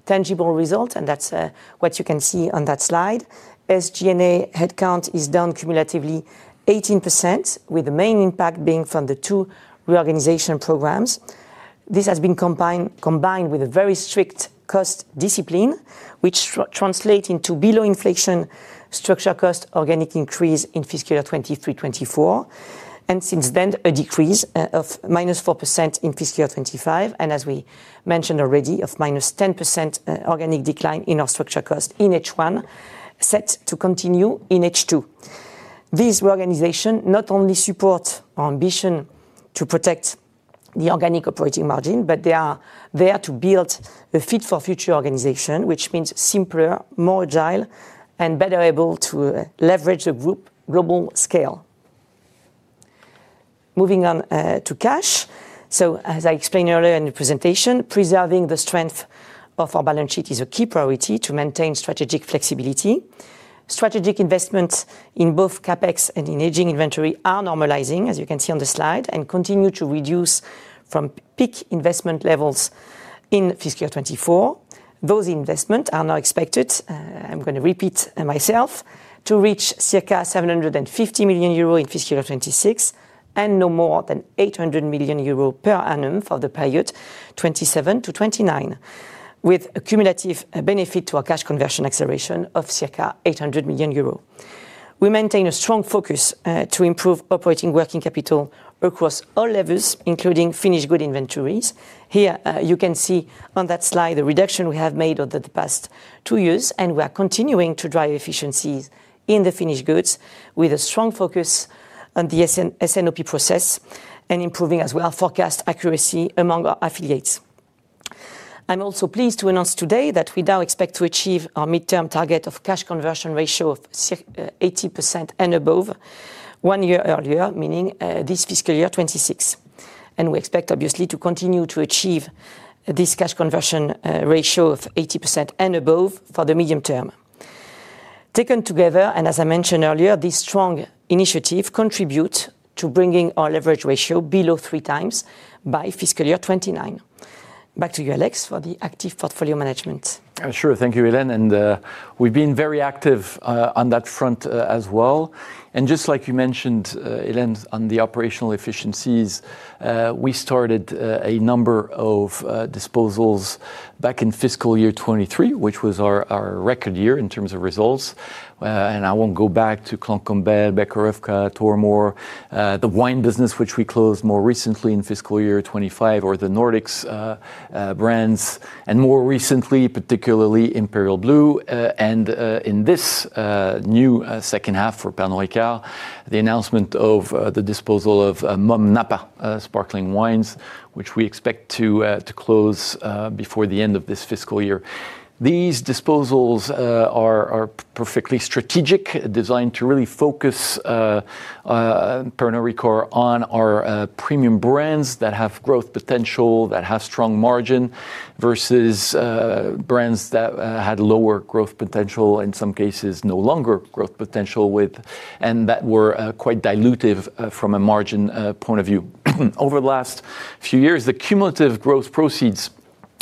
tangible results, and that's what you can see on that slide. SG&A headcount is down cumulatively 18%, with the main impact being from the two reorganization programs. This has been combined, combined with a very strict cost discipline, which translate into below-inflation structural cost organic increase in fiscal year 2023, 2024, and since then, a decrease of -4% in fiscal year 2025, and as we mentioned already, of -10% organic decline in our structural cost in H1, set to continue in H2. This reorganization not only support our ambition to protect the organic operating margin, but they are there to build a Fit for Future organization, which means simpler, more agile, and better able to leverage the Group global scale. Moving on to cash. As I explained earlier in the presentation, preserving the strength of our balance sheet is a key priority to maintain strategic flexibility. Strategic investments in both CapEx and in aging inventory are normalizing, as you can see on the slide, and continue to reduce from peak investment levels in fiscal year 2024. Those investment are now expected, I'm gonna repeat myself, to reach circa 750 million euro in fiscal year 2026, and no more than 800 million euro per annum for the period 2027-2029, with a cumulative benefit to our cash conversion acceleration of circa 800 million euro. We maintain a strong focus to improve operating working capital across all levels, including finished good inventories. Here, you can see on that slide the reduction we have made over the past two years, and we are continuing to drive efficiencies in the finished goods with a strong focus on the S&OP process and improving, as well, forecast accuracy among our affiliates. I'm also pleased to announce today that we now expect to achieve our midterm target of cash conversion ratio of 80% and above one year earlier, meaning this fiscal year 2026. We expect, obviously, to continue to achieve this cash conversion ratio of 80% and above for the medium term. Taken together, and as I mentioned earlier, this strong initiative contribute to bringing our leverage ratio below three times by fiscal year 2029. Back to you, Alex, for the active portfolio management. Sure. Thank you, Hélène. We've been very active on that front as well. Just like you mentioned, Hélène, on the operational efficiencies, we started a number of disposals back in fiscal year 2023, which was our record year in terms of results. I won't go back to Clan Campbell, Becherovka, Tormore, the wine business, which we closed more recently in fiscal year 2025, or the Nordics brands, and more recently, particularly Imperial Blue. In this new second half for Pernod Ricard, the announcement of the disposal of Mumm Napa sparkling wines, which we expect to close before the end of this fiscal year. These disposals are perfectly strategic, designed to really focus Pernod Ricard on our premium brands that have growth potential, that have strong margin, versus brands that had lower growth potential, in some cases no longer growth potential, and that were quite dilutive from a margin point of view. Over the last few years, the cumulative gross proceeds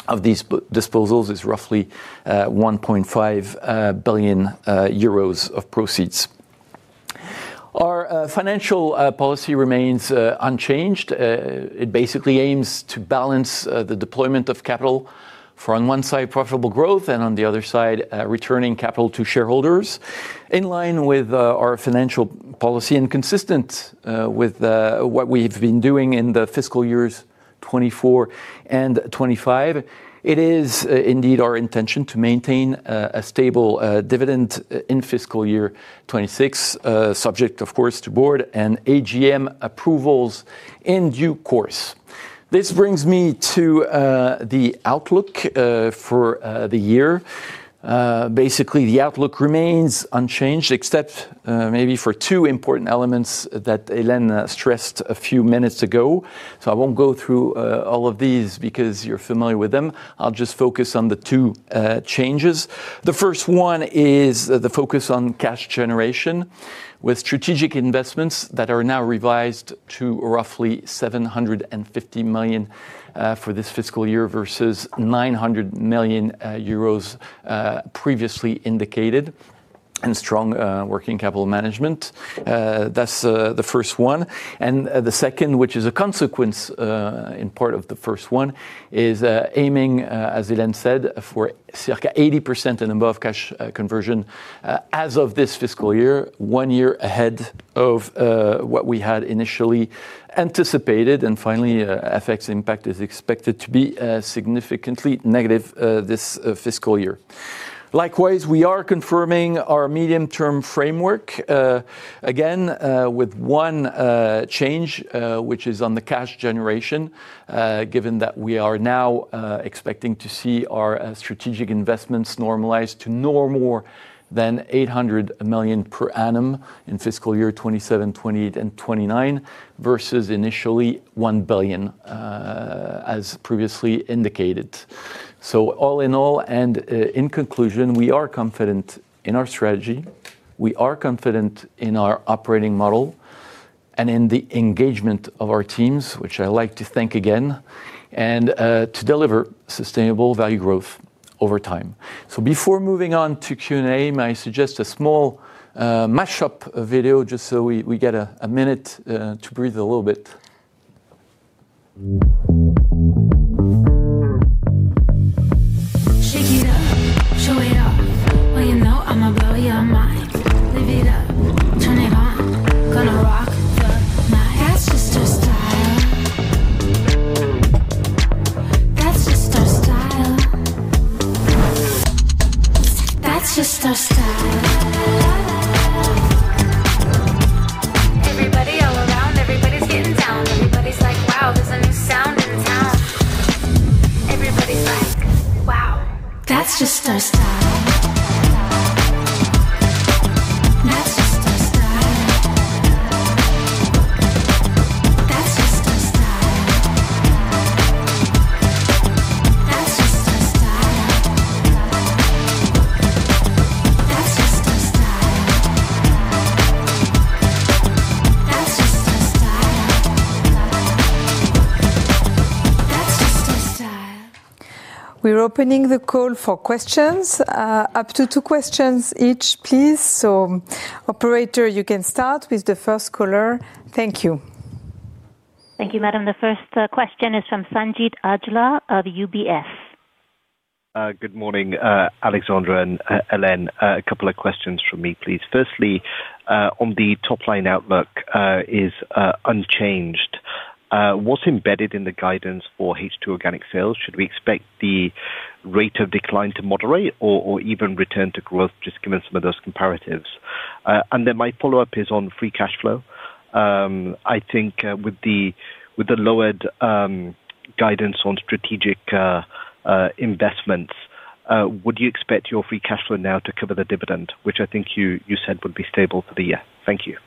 of these disposals is roughly 1.5 billion euros of proceeds. Our financial policy remains unchanged. It basically aims to balance the deployment of capital from one side, profitable growth, and on the other side, returning capital to shareholders. In line with our financial policy and consistent with what we've been doing in the fiscal years 2024 and 2025, it is indeed our intention to maintain a stable dividend in fiscal year 2026, subject, of course, to board and AGM approvals in due course. This brings me to the outlook for the year. Basically, the outlook remains unchanged, except maybe for two important elements that Hélène stressed a few minutes ago. I won't go through all of these because you're familiar with them. I'll just focus on the two changes. The first one is the focus on cash generation, with strategic investments that are now revised to roughly 750 million for this fiscal year versus 900 million euros previously indicated, and strong working capital management. That's the first one. The second, which is a consequence in part of the first one, is aiming, as Hélène said, for circa 80% and above cash conversion as of this fiscal year, one year ahead of what we had initially anticipated. Finally, F.X. impact is expected to be significantly negative this fiscal year. Likewise, we are confirming our medium-term framework again with one change, which is on the cash generation, given that we are now expecting to see our strategic investments normalize to no more than 800 million per annum in fiscal year 2027, 2028 and 2029, versus initially 1 billion as previously indicated. All in all, and in conclusion, we are confident in our strategy, we are confident in our operating model, and in the engagement of our teams, which I'd like to thank again, and to deliver sustainable value growth over time. Before moving on to Q&A, may I suggest a small mashup video just so we get a minute to breathe a little bit? opening the call for questions. Up to two questions each, please. Operator, you can start with the first caller. Thank you. Thank you, madam. The first question is from Sanjeet Aujla of UBS. Good morning, Alexandre and Hélène. A couple of questions from me, please. Firstly, on the top-line outlook is unchanged. What's embedded in the guidance for H2 organic sales? Should we expect the rate of decline to moderate or even return to growth? Just give me some of those comparatives. My follow-up is on Free Cash Flow. I think with the lowered guidance on strategic investments, would you expect your Free Cash Flow now to cover the dividend, which I think you said would be stable for the year? Thank you.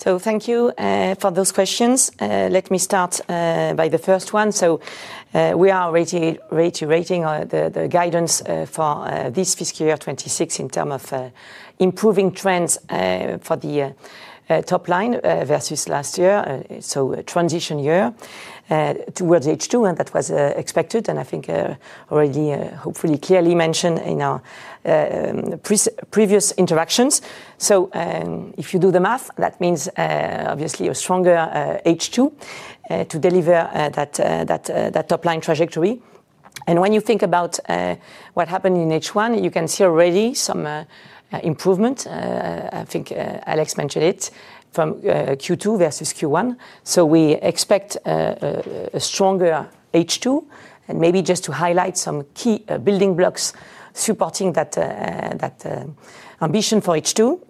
Thank you for those questions. Let me start by the first one. We are rating, re-rating the guidance for this fiscal year 2026 in term of improving trends for the top line versus last year. A transition year towards H2, and that was expected, and I think already hopefully clearly mentioned in our previous interactions. If you do the math, that means obviously a stronger H2 to deliver that top-line trajectory. When you think about what happened in H1, you can see already some improvement. I think Alex mentioned it from Q2 versus Q1. We expect a stronger H2. Maybe just to highlight some key building blocks supporting that ambition for H2.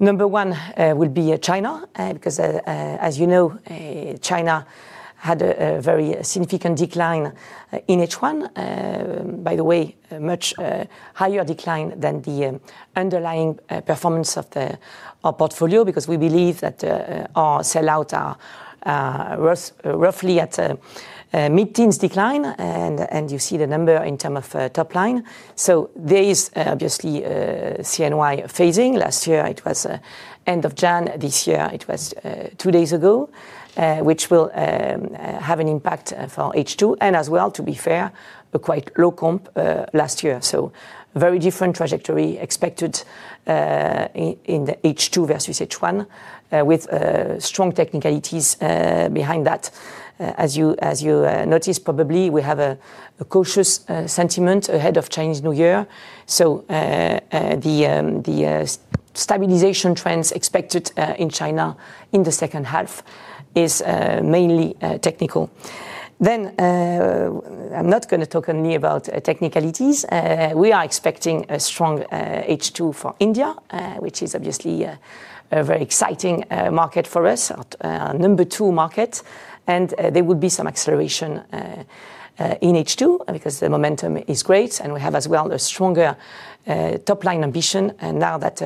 Number one will be China because, as you know, China had a very significant decline in H1. By the way, a much higher decline than the underlying performance of our portfolio, because we believe that our sell out are roughly at a mid-teens decline. You see the number in term of top line. There is obviously a CNY phasing. Last year it was end of January, this year it was two days ago, which will have an impact for H2, and as well, to be fair, a quite low comp last year. Very different trajectory expected in the H2 versus H1 with strong technicalities behind that. As you notice, probably, we have a cautious sentiment ahead of Chinese New Year. The stabilization trends expected in China in the second half is mainly technical. I'm not gonna talk only about technicalities. We are expecting a strong H2 for India, which is obviously a very exciting market for us. Number two market. There will be some acceleration in H2, because the momentum is great, and we have as well a stronger top-line ambition, and now that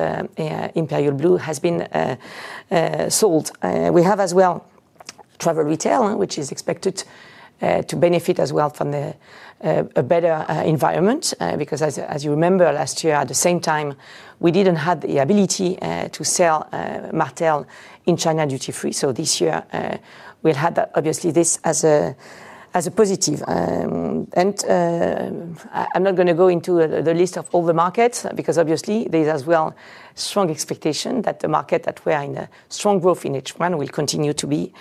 Imperial Blue has been sold. We have as well travel retail, which is expected to benefit as well from a better environment. Because as you remember, last year at the same time, we didn't have the ability to sell Martell in China duty-free. This year, we'll have that obviously this as a positive. I'm not gonna go into the list of all the markets, because obviously there's as well strong expectation that the market that we are in, a strong growth in H1 will continue to be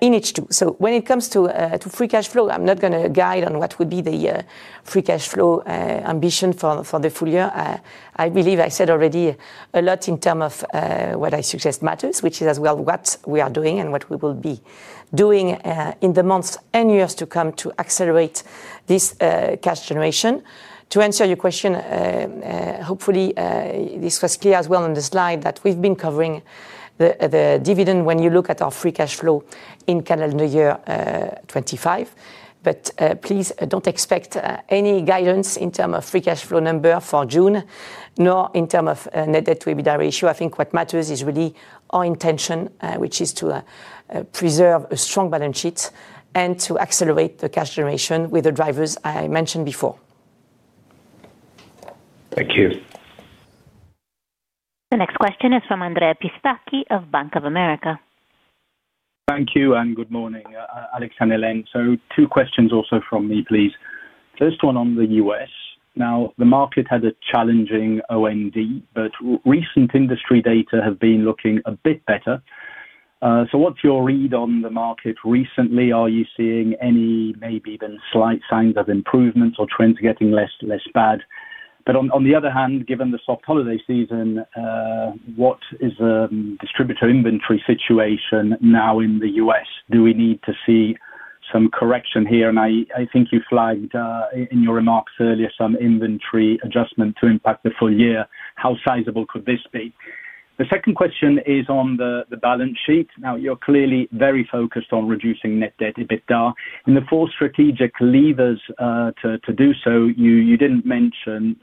in H2. When it comes to Free Cash Flow, I'm not gonna guide on what would be the Free Cash Flow ambition for the full year. I believe I said already a lot in term of what I suggest matters, which is as well what we are doing and what we will be doing in the months and years to come to accelerate this cash generation. To answer your question, hopefully, this was clear as well on the slide, that we've been covering the dividend when you look at our Free Cash Flow in calendar year 2025. Please, don't expect any guidance in term of Free Cash Flow number for June, nor in term of Net Debt to EBITDA Ratio. I think what matters is really our intention, which is to preserve a strong balance sheet and to accelerate the cash generation with the drivers I mentioned before. Thank you. The next question is from Andrea Pistacchi of Bank of America. Thank you, and good morning, Alex and Hélène. Two questions also from me, please. First one on the U.S. Now, the market had a challenging OND, but recent industry data have been looking a bit better. What's your read on the market recently? Are you seeing any, maybe even slight signs of improvements or trends getting less bad? On the other hand, given the soft holiday season, what is the distributor inventory situation now in the U.S.? Do we need to see some correction here? I think you flagged in your remarks earlier some inventory adjustment to impact the full year. How sizable could this be? The second question is on the balance sheet. Now, you're clearly very focused on reducing net debt to EBITDA. In the four strategic levers to do so, you didn't mention,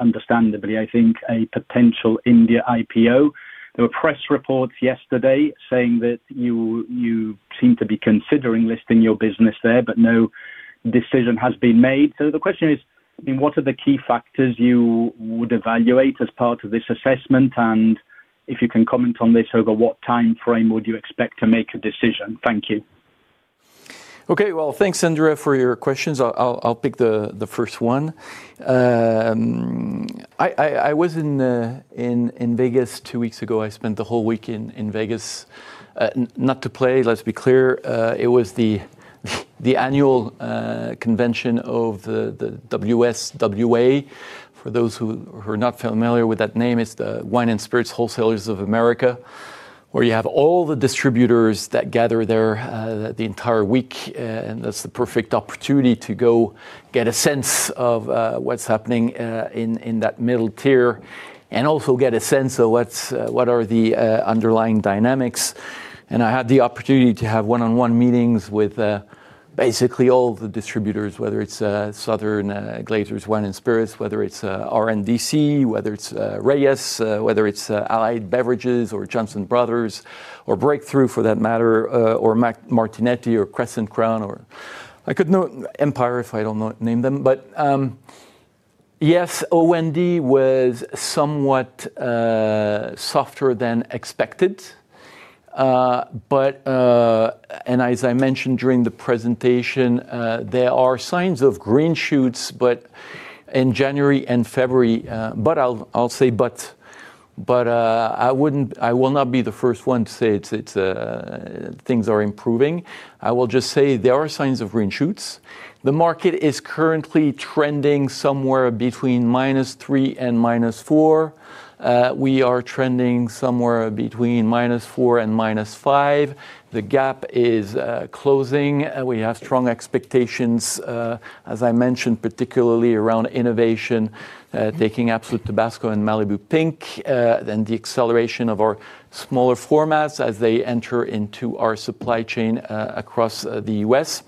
understandably, I think, a potential India IPO. There were press reports yesterday saying that you seem to be considering listing your business there, but no decision has been made. The question is, I mean, what are the key factors you would evaluate as part of this assessment? If you can comment on this, over what time frame would you expect to make a decision? Thank you. Okay, well, thanks, Andrea, for your questions. I'll pick the first one. I was in Vegas two weeks ago. I spent the whole week in Vegas, not to play, let's be clear. It was the annual convention of the WSWA. For those who are not familiar with that name, it's the Wine and Spirits Wholesalers of America, where you have all the distributors that gather there the entire week. That's the perfect opportunity to go get a sense of what's happening in that middle tier, and also get a sense of what are the underlying dynamics. I had the opportunity to have one-on-one meetings with basically all the distributors, whether it's Southern Glazer's Wine & Spirits, whether it's RNDC, whether it's Reyes, whether it's Allied Beverages or Johnson Brothers or Breakthru for that matter, or Martignetti or Crescent Crown, or I could name Empire, if I don't name them. Yes, OND was somewhat softer than expected. As I mentioned during the presentation, there are signs of green shoots in January and February, but I'll say, I will not be the first one to say things are improving. I will just say there are signs of green shoots. The market is currently trending somewhere between -3 and -4. We are trending somewhere between -4% and -5%. The gap is closing. We have strong expectations, as I mentioned, particularly around innovation, taking Absolut Tabasco and Malibu Pink, then the acceleration of our smaller formats as they enter into our supply chain across the U.S.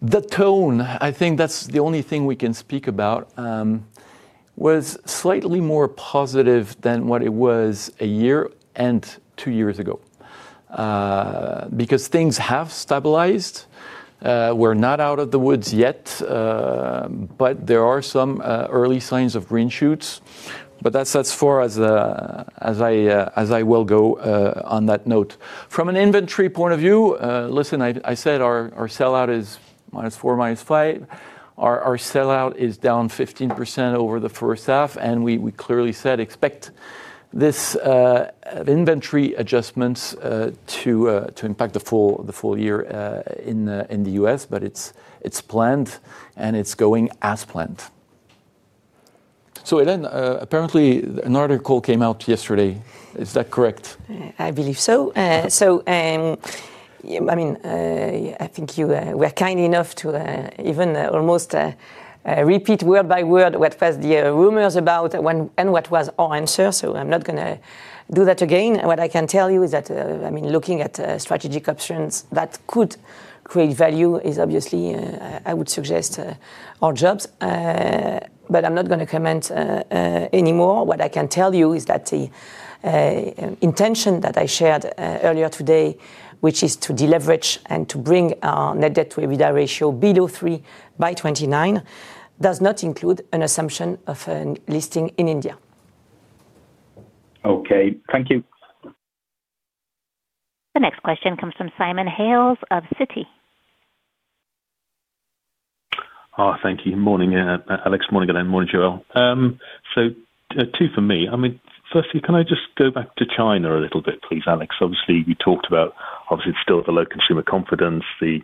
The tone, I think that's the only thing we can speak about, was slightly more positive than what it was a year and two years ago because things have stabilized. We're not out of the woods yet, but there are some early signs of green shoots, but that's as far as I will go on that note. From an inventory point of view, listen, I said our sellout is -4%, -5%. Our sellout is down 15% over the first half, and we clearly said, expect this inventory adjustments to impact the full year in the U.S., but it's planned, and it's going as planned. Hélène, apparently, an article came out yesterday. Is that correct? I believe so. Yeah, I mean, I think you were kind enough to even almost repeat word by word what was the rumors about when and what was our answer, so I'm not gonna do that again. What I can tell you is that, I mean, looking at strategic options that could create value is obviously, I would suggest, our jobs. But I'm not gonna comment anymore. What I can tell you is that the intention that I shared earlier today, which is to deleverage and to bring our net debt to EBITDA ratio below 3x by 2029, does not include an assumption of an listing in India. Okay. Thank you. The next question comes from Simon Hales of Citi. Thank you. Morning, Alex, morning, Hélène, morning, Joel. Two for me. I mean, firstly, can I just go back to China a little bit, please, Alex? Obviously, you talked about obviously still the low consumer confidence, the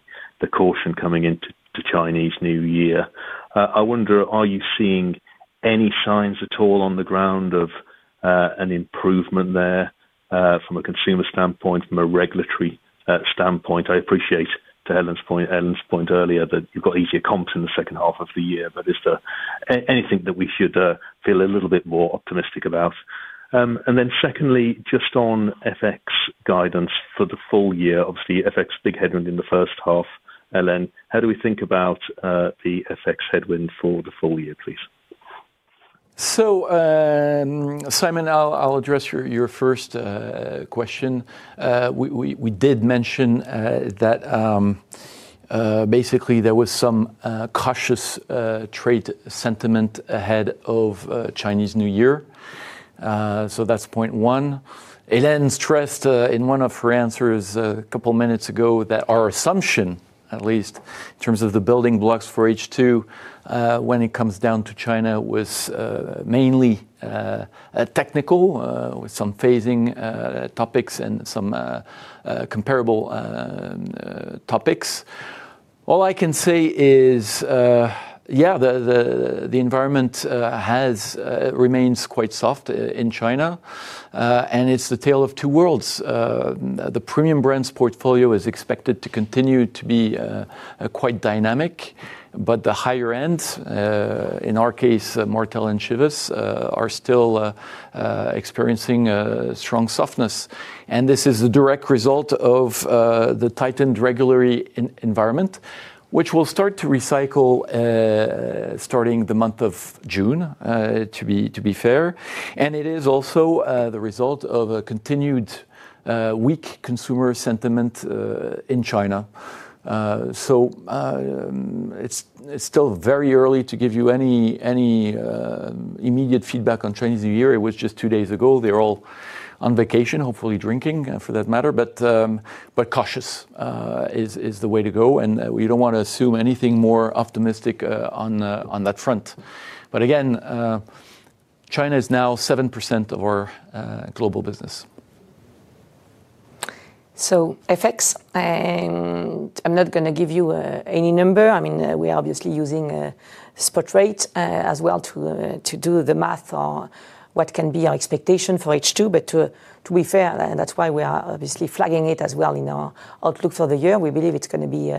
caution coming into Chinese New Year. I wonder, are you seeing any signs at all on the ground of an improvement there from a consumer standpoint, from a regulatory standpoint? I appreciate, to Hélène's point earlier, that you've got easier comps in the second half of the year, but is there anything that we should feel a little bit more optimistic about? Secondly, just on F.X. guidance for the full year. Obviously, F.X., big headwind in the first half. Hélène, how do we think about the F.X. headwind for the full year, please? Simon, I'll address your first question. We did mention that basically there was some cautious trade sentiment ahead of Chinese New Year. That's point one. Hélène stressed in one of her answers a couple minutes ago that our assumption, at least in terms of the building blocks for H2 when it comes down to China, was mainly a technical with some phasing topics and some comparable topics. All I can say is yeah, the environment remains quite soft in China, and it's the tale of two worlds. "Uh, the premium brands portfolio is expected to continue to be, uh, quite dynamic, but the higher end, uh, in our case, Martell and Chivas, uh, are still, uh, uh, experiencing a strong softness. And this is a direct result of, uh, the tightened regulatory en- environment, which will start to recycle, eh, starting the month of June, uh, to be, to be fair, and it is also, uh, the result of a continued, uh, weak consumer sentiment, uh, in China. Uh, so, um, it's, it's still very early to give you any, any, um, immediate feedback on Chinese New Year. It was just two days ago. They're all on vacation, hopefully drinking, uh, for that matter. But, um, but cautious, uh, is, is the way to go, and, uh, we don't want to assume anything more optimistic, uh, on, uh, on that front." But again China is now 7% or our global business. Again, China is now 7% of our global business. FX, and I'm not gonna give you any number. I mean, we are obviously using a spot rate as well to do the math on what can be our expectation for H2. To be fair, that's why we are obviously flagging it as well in our outlook for the year. We believe it's gonna be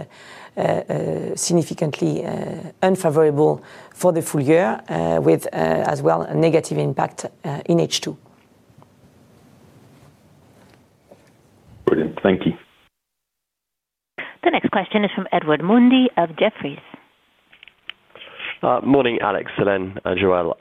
significantly unfavorable for the full year with, as well, a negative impact in H2. Thank you. The next question is from Edward Mundy of Jefferies. Morning, Alex, Hélène, and Joel.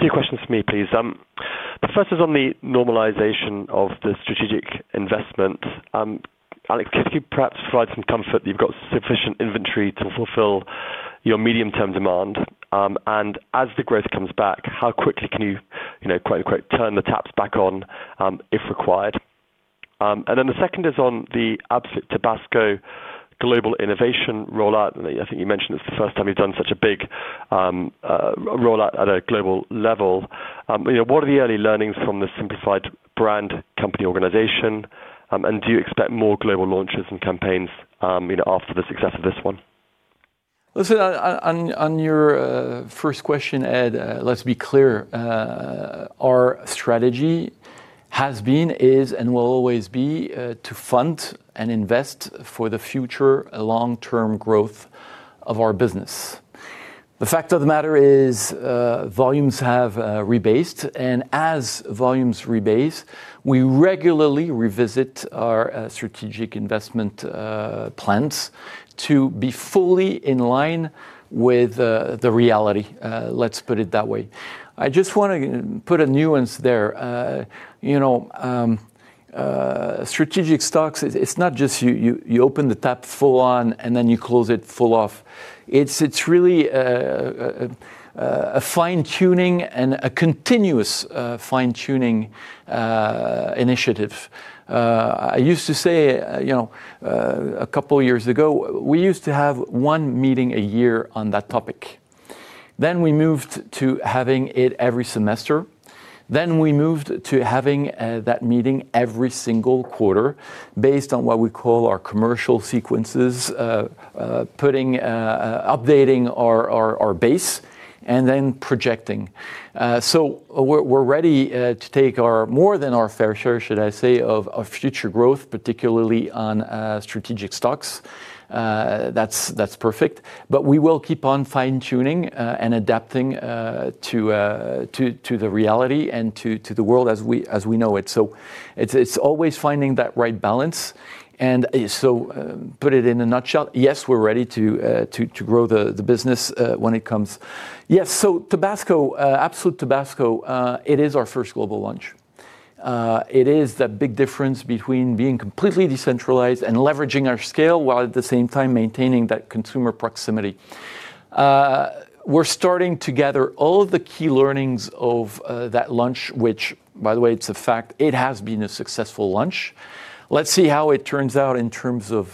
Two questions for me, please. The first is on the normalization of the strategic investment. Alex, could you perhaps provide some comfort you've got sufficient inventory to fulfill your medium-term demand? As the growth comes back, how quickly can you, you know, quote, unquote, "turn the taps back on," if required? The second is on the Absolut Tabasco Global Innovation rollout. I think you mentioned it's the first time you've done such a big rollout at a global level. You know, what are the early learnings from the simplified brand company organization? Do you expect more global launches and campaigns, you know, after the success of this one? Listen, on your first question, Ed, let's be clear. Our strategy has been, is, and will always be to fund and invest for the future, long-term growth of our business. The fact of the matter is volumes have rebased, and as volumes rebase, we regularly revisit our strategic investment plans to be fully in line with the reality. Let's put it that way. I just wanna put a nuance there. You know, strategic stocks, it's not just you open the tap full on, and then you close it full off. It's really a fine-tuning and a continuous fine-tuning initiative. I used to say, you know, a couple of years ago, we used to have one meeting a year on that topic. We moved to having it every semester. We moved to having that meeting every single quarter based on what we call our commercial sequences, updating our base and then projecting. We're ready to take our, more than our fair share, should I say, of future growth, particularly on strategic stocks. That's perfect. We will keep on fine-tuning and adapting to the reality and to the world as we know it. It's always finding that right balance. Put it in a nutshell, yes, we're ready to grow the business when it comes. Yes. Tabasco, Absolut Tabasco, it is our first global launch. It is the big difference between being completely decentralized and leveraging our scale, while at the same time maintaining that consumer proximity. We're starting to gather all of the key learnings of that launch, which, by the way, it's a fact, it has been a successful launch. Let's see how it turns out in terms of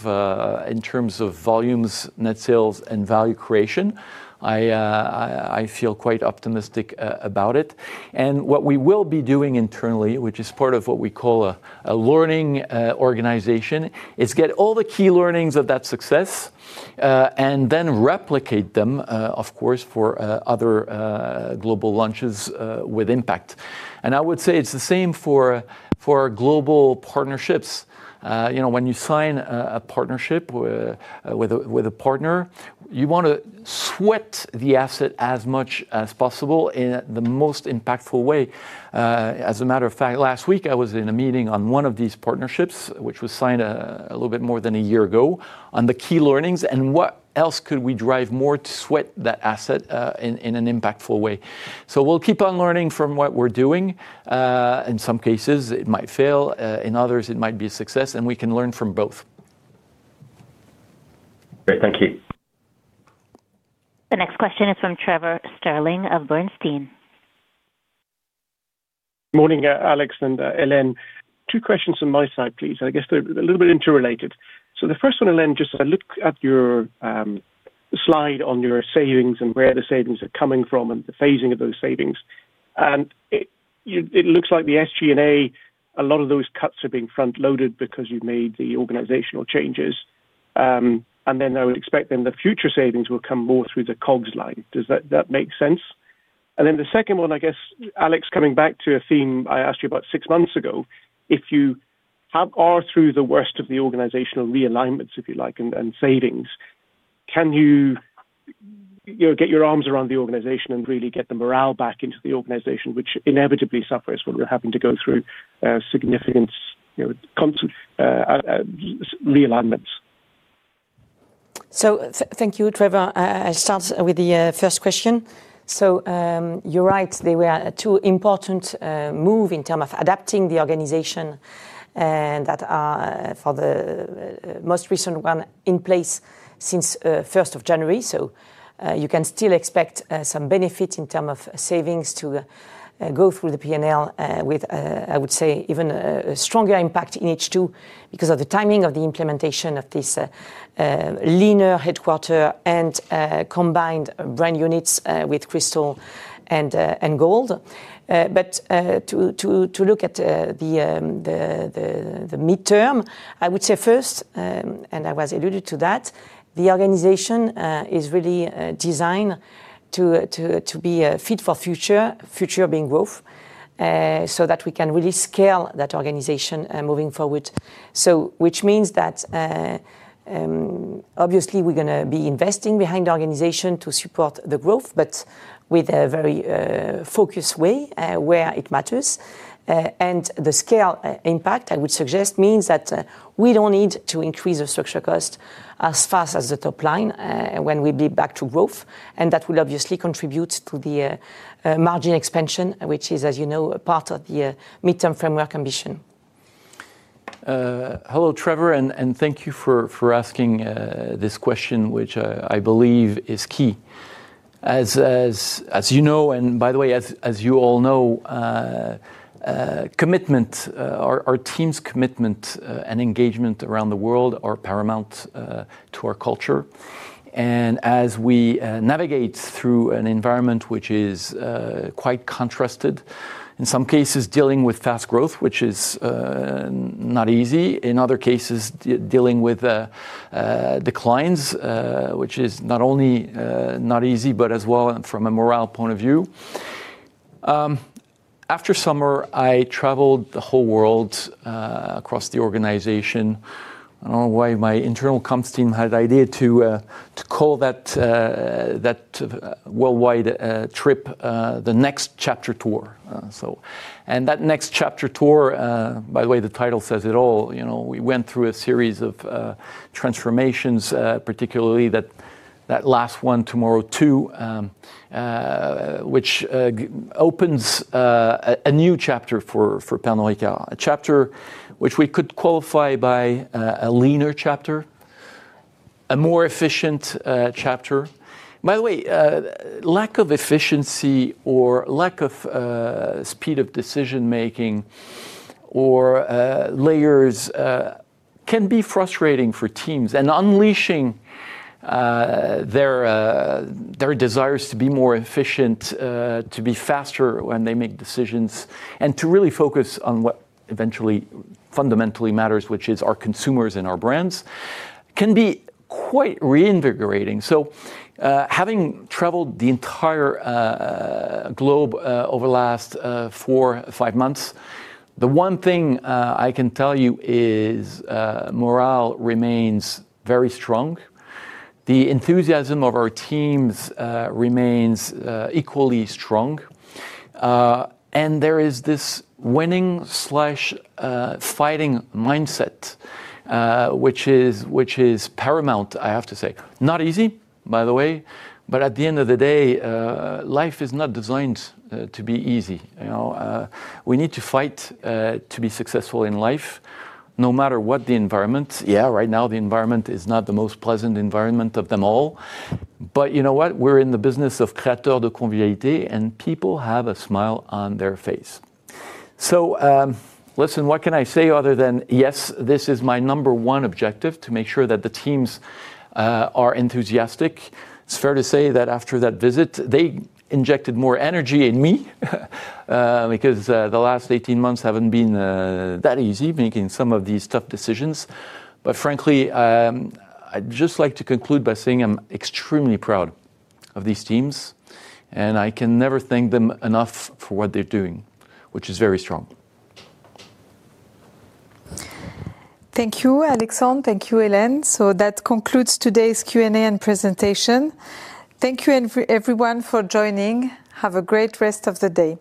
volumes, net sales, and value creation. I feel quite optimistic about it. What we will be doing internally, which is part of what we call a learning organization, is get all the key learnings of that success and then replicate them, of course, for other global launches with impact. I would say it's the same for global partnerships. You know, when you sign a partnership with a partner, you wanna sweat the asset as much as possible in the most impactful way. As a matter of fact, last week, I was in a meeting on one of these partnerships, which was signed a little bit more than a year ago, on the key learnings and what else could we drive more to sweat that asset in an impactful way. We'll keep on learning from what we're doing. In some cases, it might fail. In others, it might be a success, and we can learn from both. Great. Thank you. The next question is from Trevor Stirling of Bernstein. Morning, Alex and Hélène. Two questions on my side, please. I guess they're a little bit interrelated. The first one, Hélène, just as I look at your slide on your savings and where the savings are coming from and the phasing of those savings, and it looks like the SG&A, a lot of those cuts are being front-loaded because you've made the organizational changes. I would expect then the future savings will come more through the COGS line. Does that make sense? The second one, I guess, Alex, coming back to a theme I asked you about six months ago, if you are through the worst of the organizational realignments, if you like, and savings, can you, you know, get your arms around the organization and really get the morale back into the organization, which inevitably suffers when we're having to go through significant, you know, realignments? Thank you, Trevor. I'll start with the first question. You're right, there were two important move in term of adapting the organization that are, for the most recent one, in place since first of January. You can still expect some benefit in term of savings to go through the P&L with, I would say, even a stronger impact in H2 because of the timing of the implementation of this leaner headquarter and combined brand units with Crystal and Gold. To look at the mid-term, I would say first, and I was alluded to that, the organization is really designed to be fit for future, future being growth, so that we can really scale that organization moving forward. Which means that, obviously we're going to be investing behind the organization to support the growth, but with a very focused way where it matters. The scale impact, I would suggest, means that we don't need to increase the structure cost as fast as the top line when we lead back to growth. That will obviously contribute to the margin expansion, which is, as you know, a part of mid-term framework ambition. Hello, Trevor, and thank you for asking this question, which I believe is key. As you know, and by the way, as you all know, commitment, our team's commitment and engagement around the world are paramount to our culture. As we navigate through an environment which is quite contrasted, in some cases dealing with fast growth, which is not easy, in other cases, dealing with declines, which is not only not easy, but as well from a morale point of view. After summer, I traveled the whole world across the organization. I don't know why my internal comms team had the idea to call that worldwide trip the Next Chapter Tour. That Next Chapter Tour, by the way, the title says it all. You know, we went through a series of transformations, particularly that last one, Tomorrow 2, which opens a new chapter for Pernod Ricard. A chapter which we could qualify by a leaner chapter, a more efficient chapter. By the way, lack of efficiency or lack of speed of decision-making or layers can be frustrating for teams, and unleashing their desires to be more efficient, to be faster when they make decisions, and to really focus on what eventually fundamentally matters, which is our consumers and our brands, can be quite reinvigorating. Having traveled the entire globe over the last four, five months, the one thing I can tell you is morale remains very strong. The enthusiasm of our teams remains equally strong. There is this winning, fighting mindset which is paramount, I have to say. Not easy, by the way, but at the end of the day, life is not designed to be easy. You know, we need to fight to be successful in life, no matter what the environment. Yeah, right now, the environment is not the most pleasant environment of them all, but you know what? We're in the business of Créateur de Convivialité, and people have a smile on their face. Listen, what can I say other than, yes, this is my number one objective, to make sure that the teams are enthusiastic. It's fair to say that after that visit, they injected more energy in me because the last 18 months haven't been that easy, making some of these tough decisions. Frankly, I'd just like to conclude by saying I'm extremely proud of these teams, and I can never thank them enough for what they're doing, which is very strong. Thank you, Alexandre. Thank you, Hélène. That concludes today's Q&A and presentation. Thank you everyone for joining. Have a great rest of the day.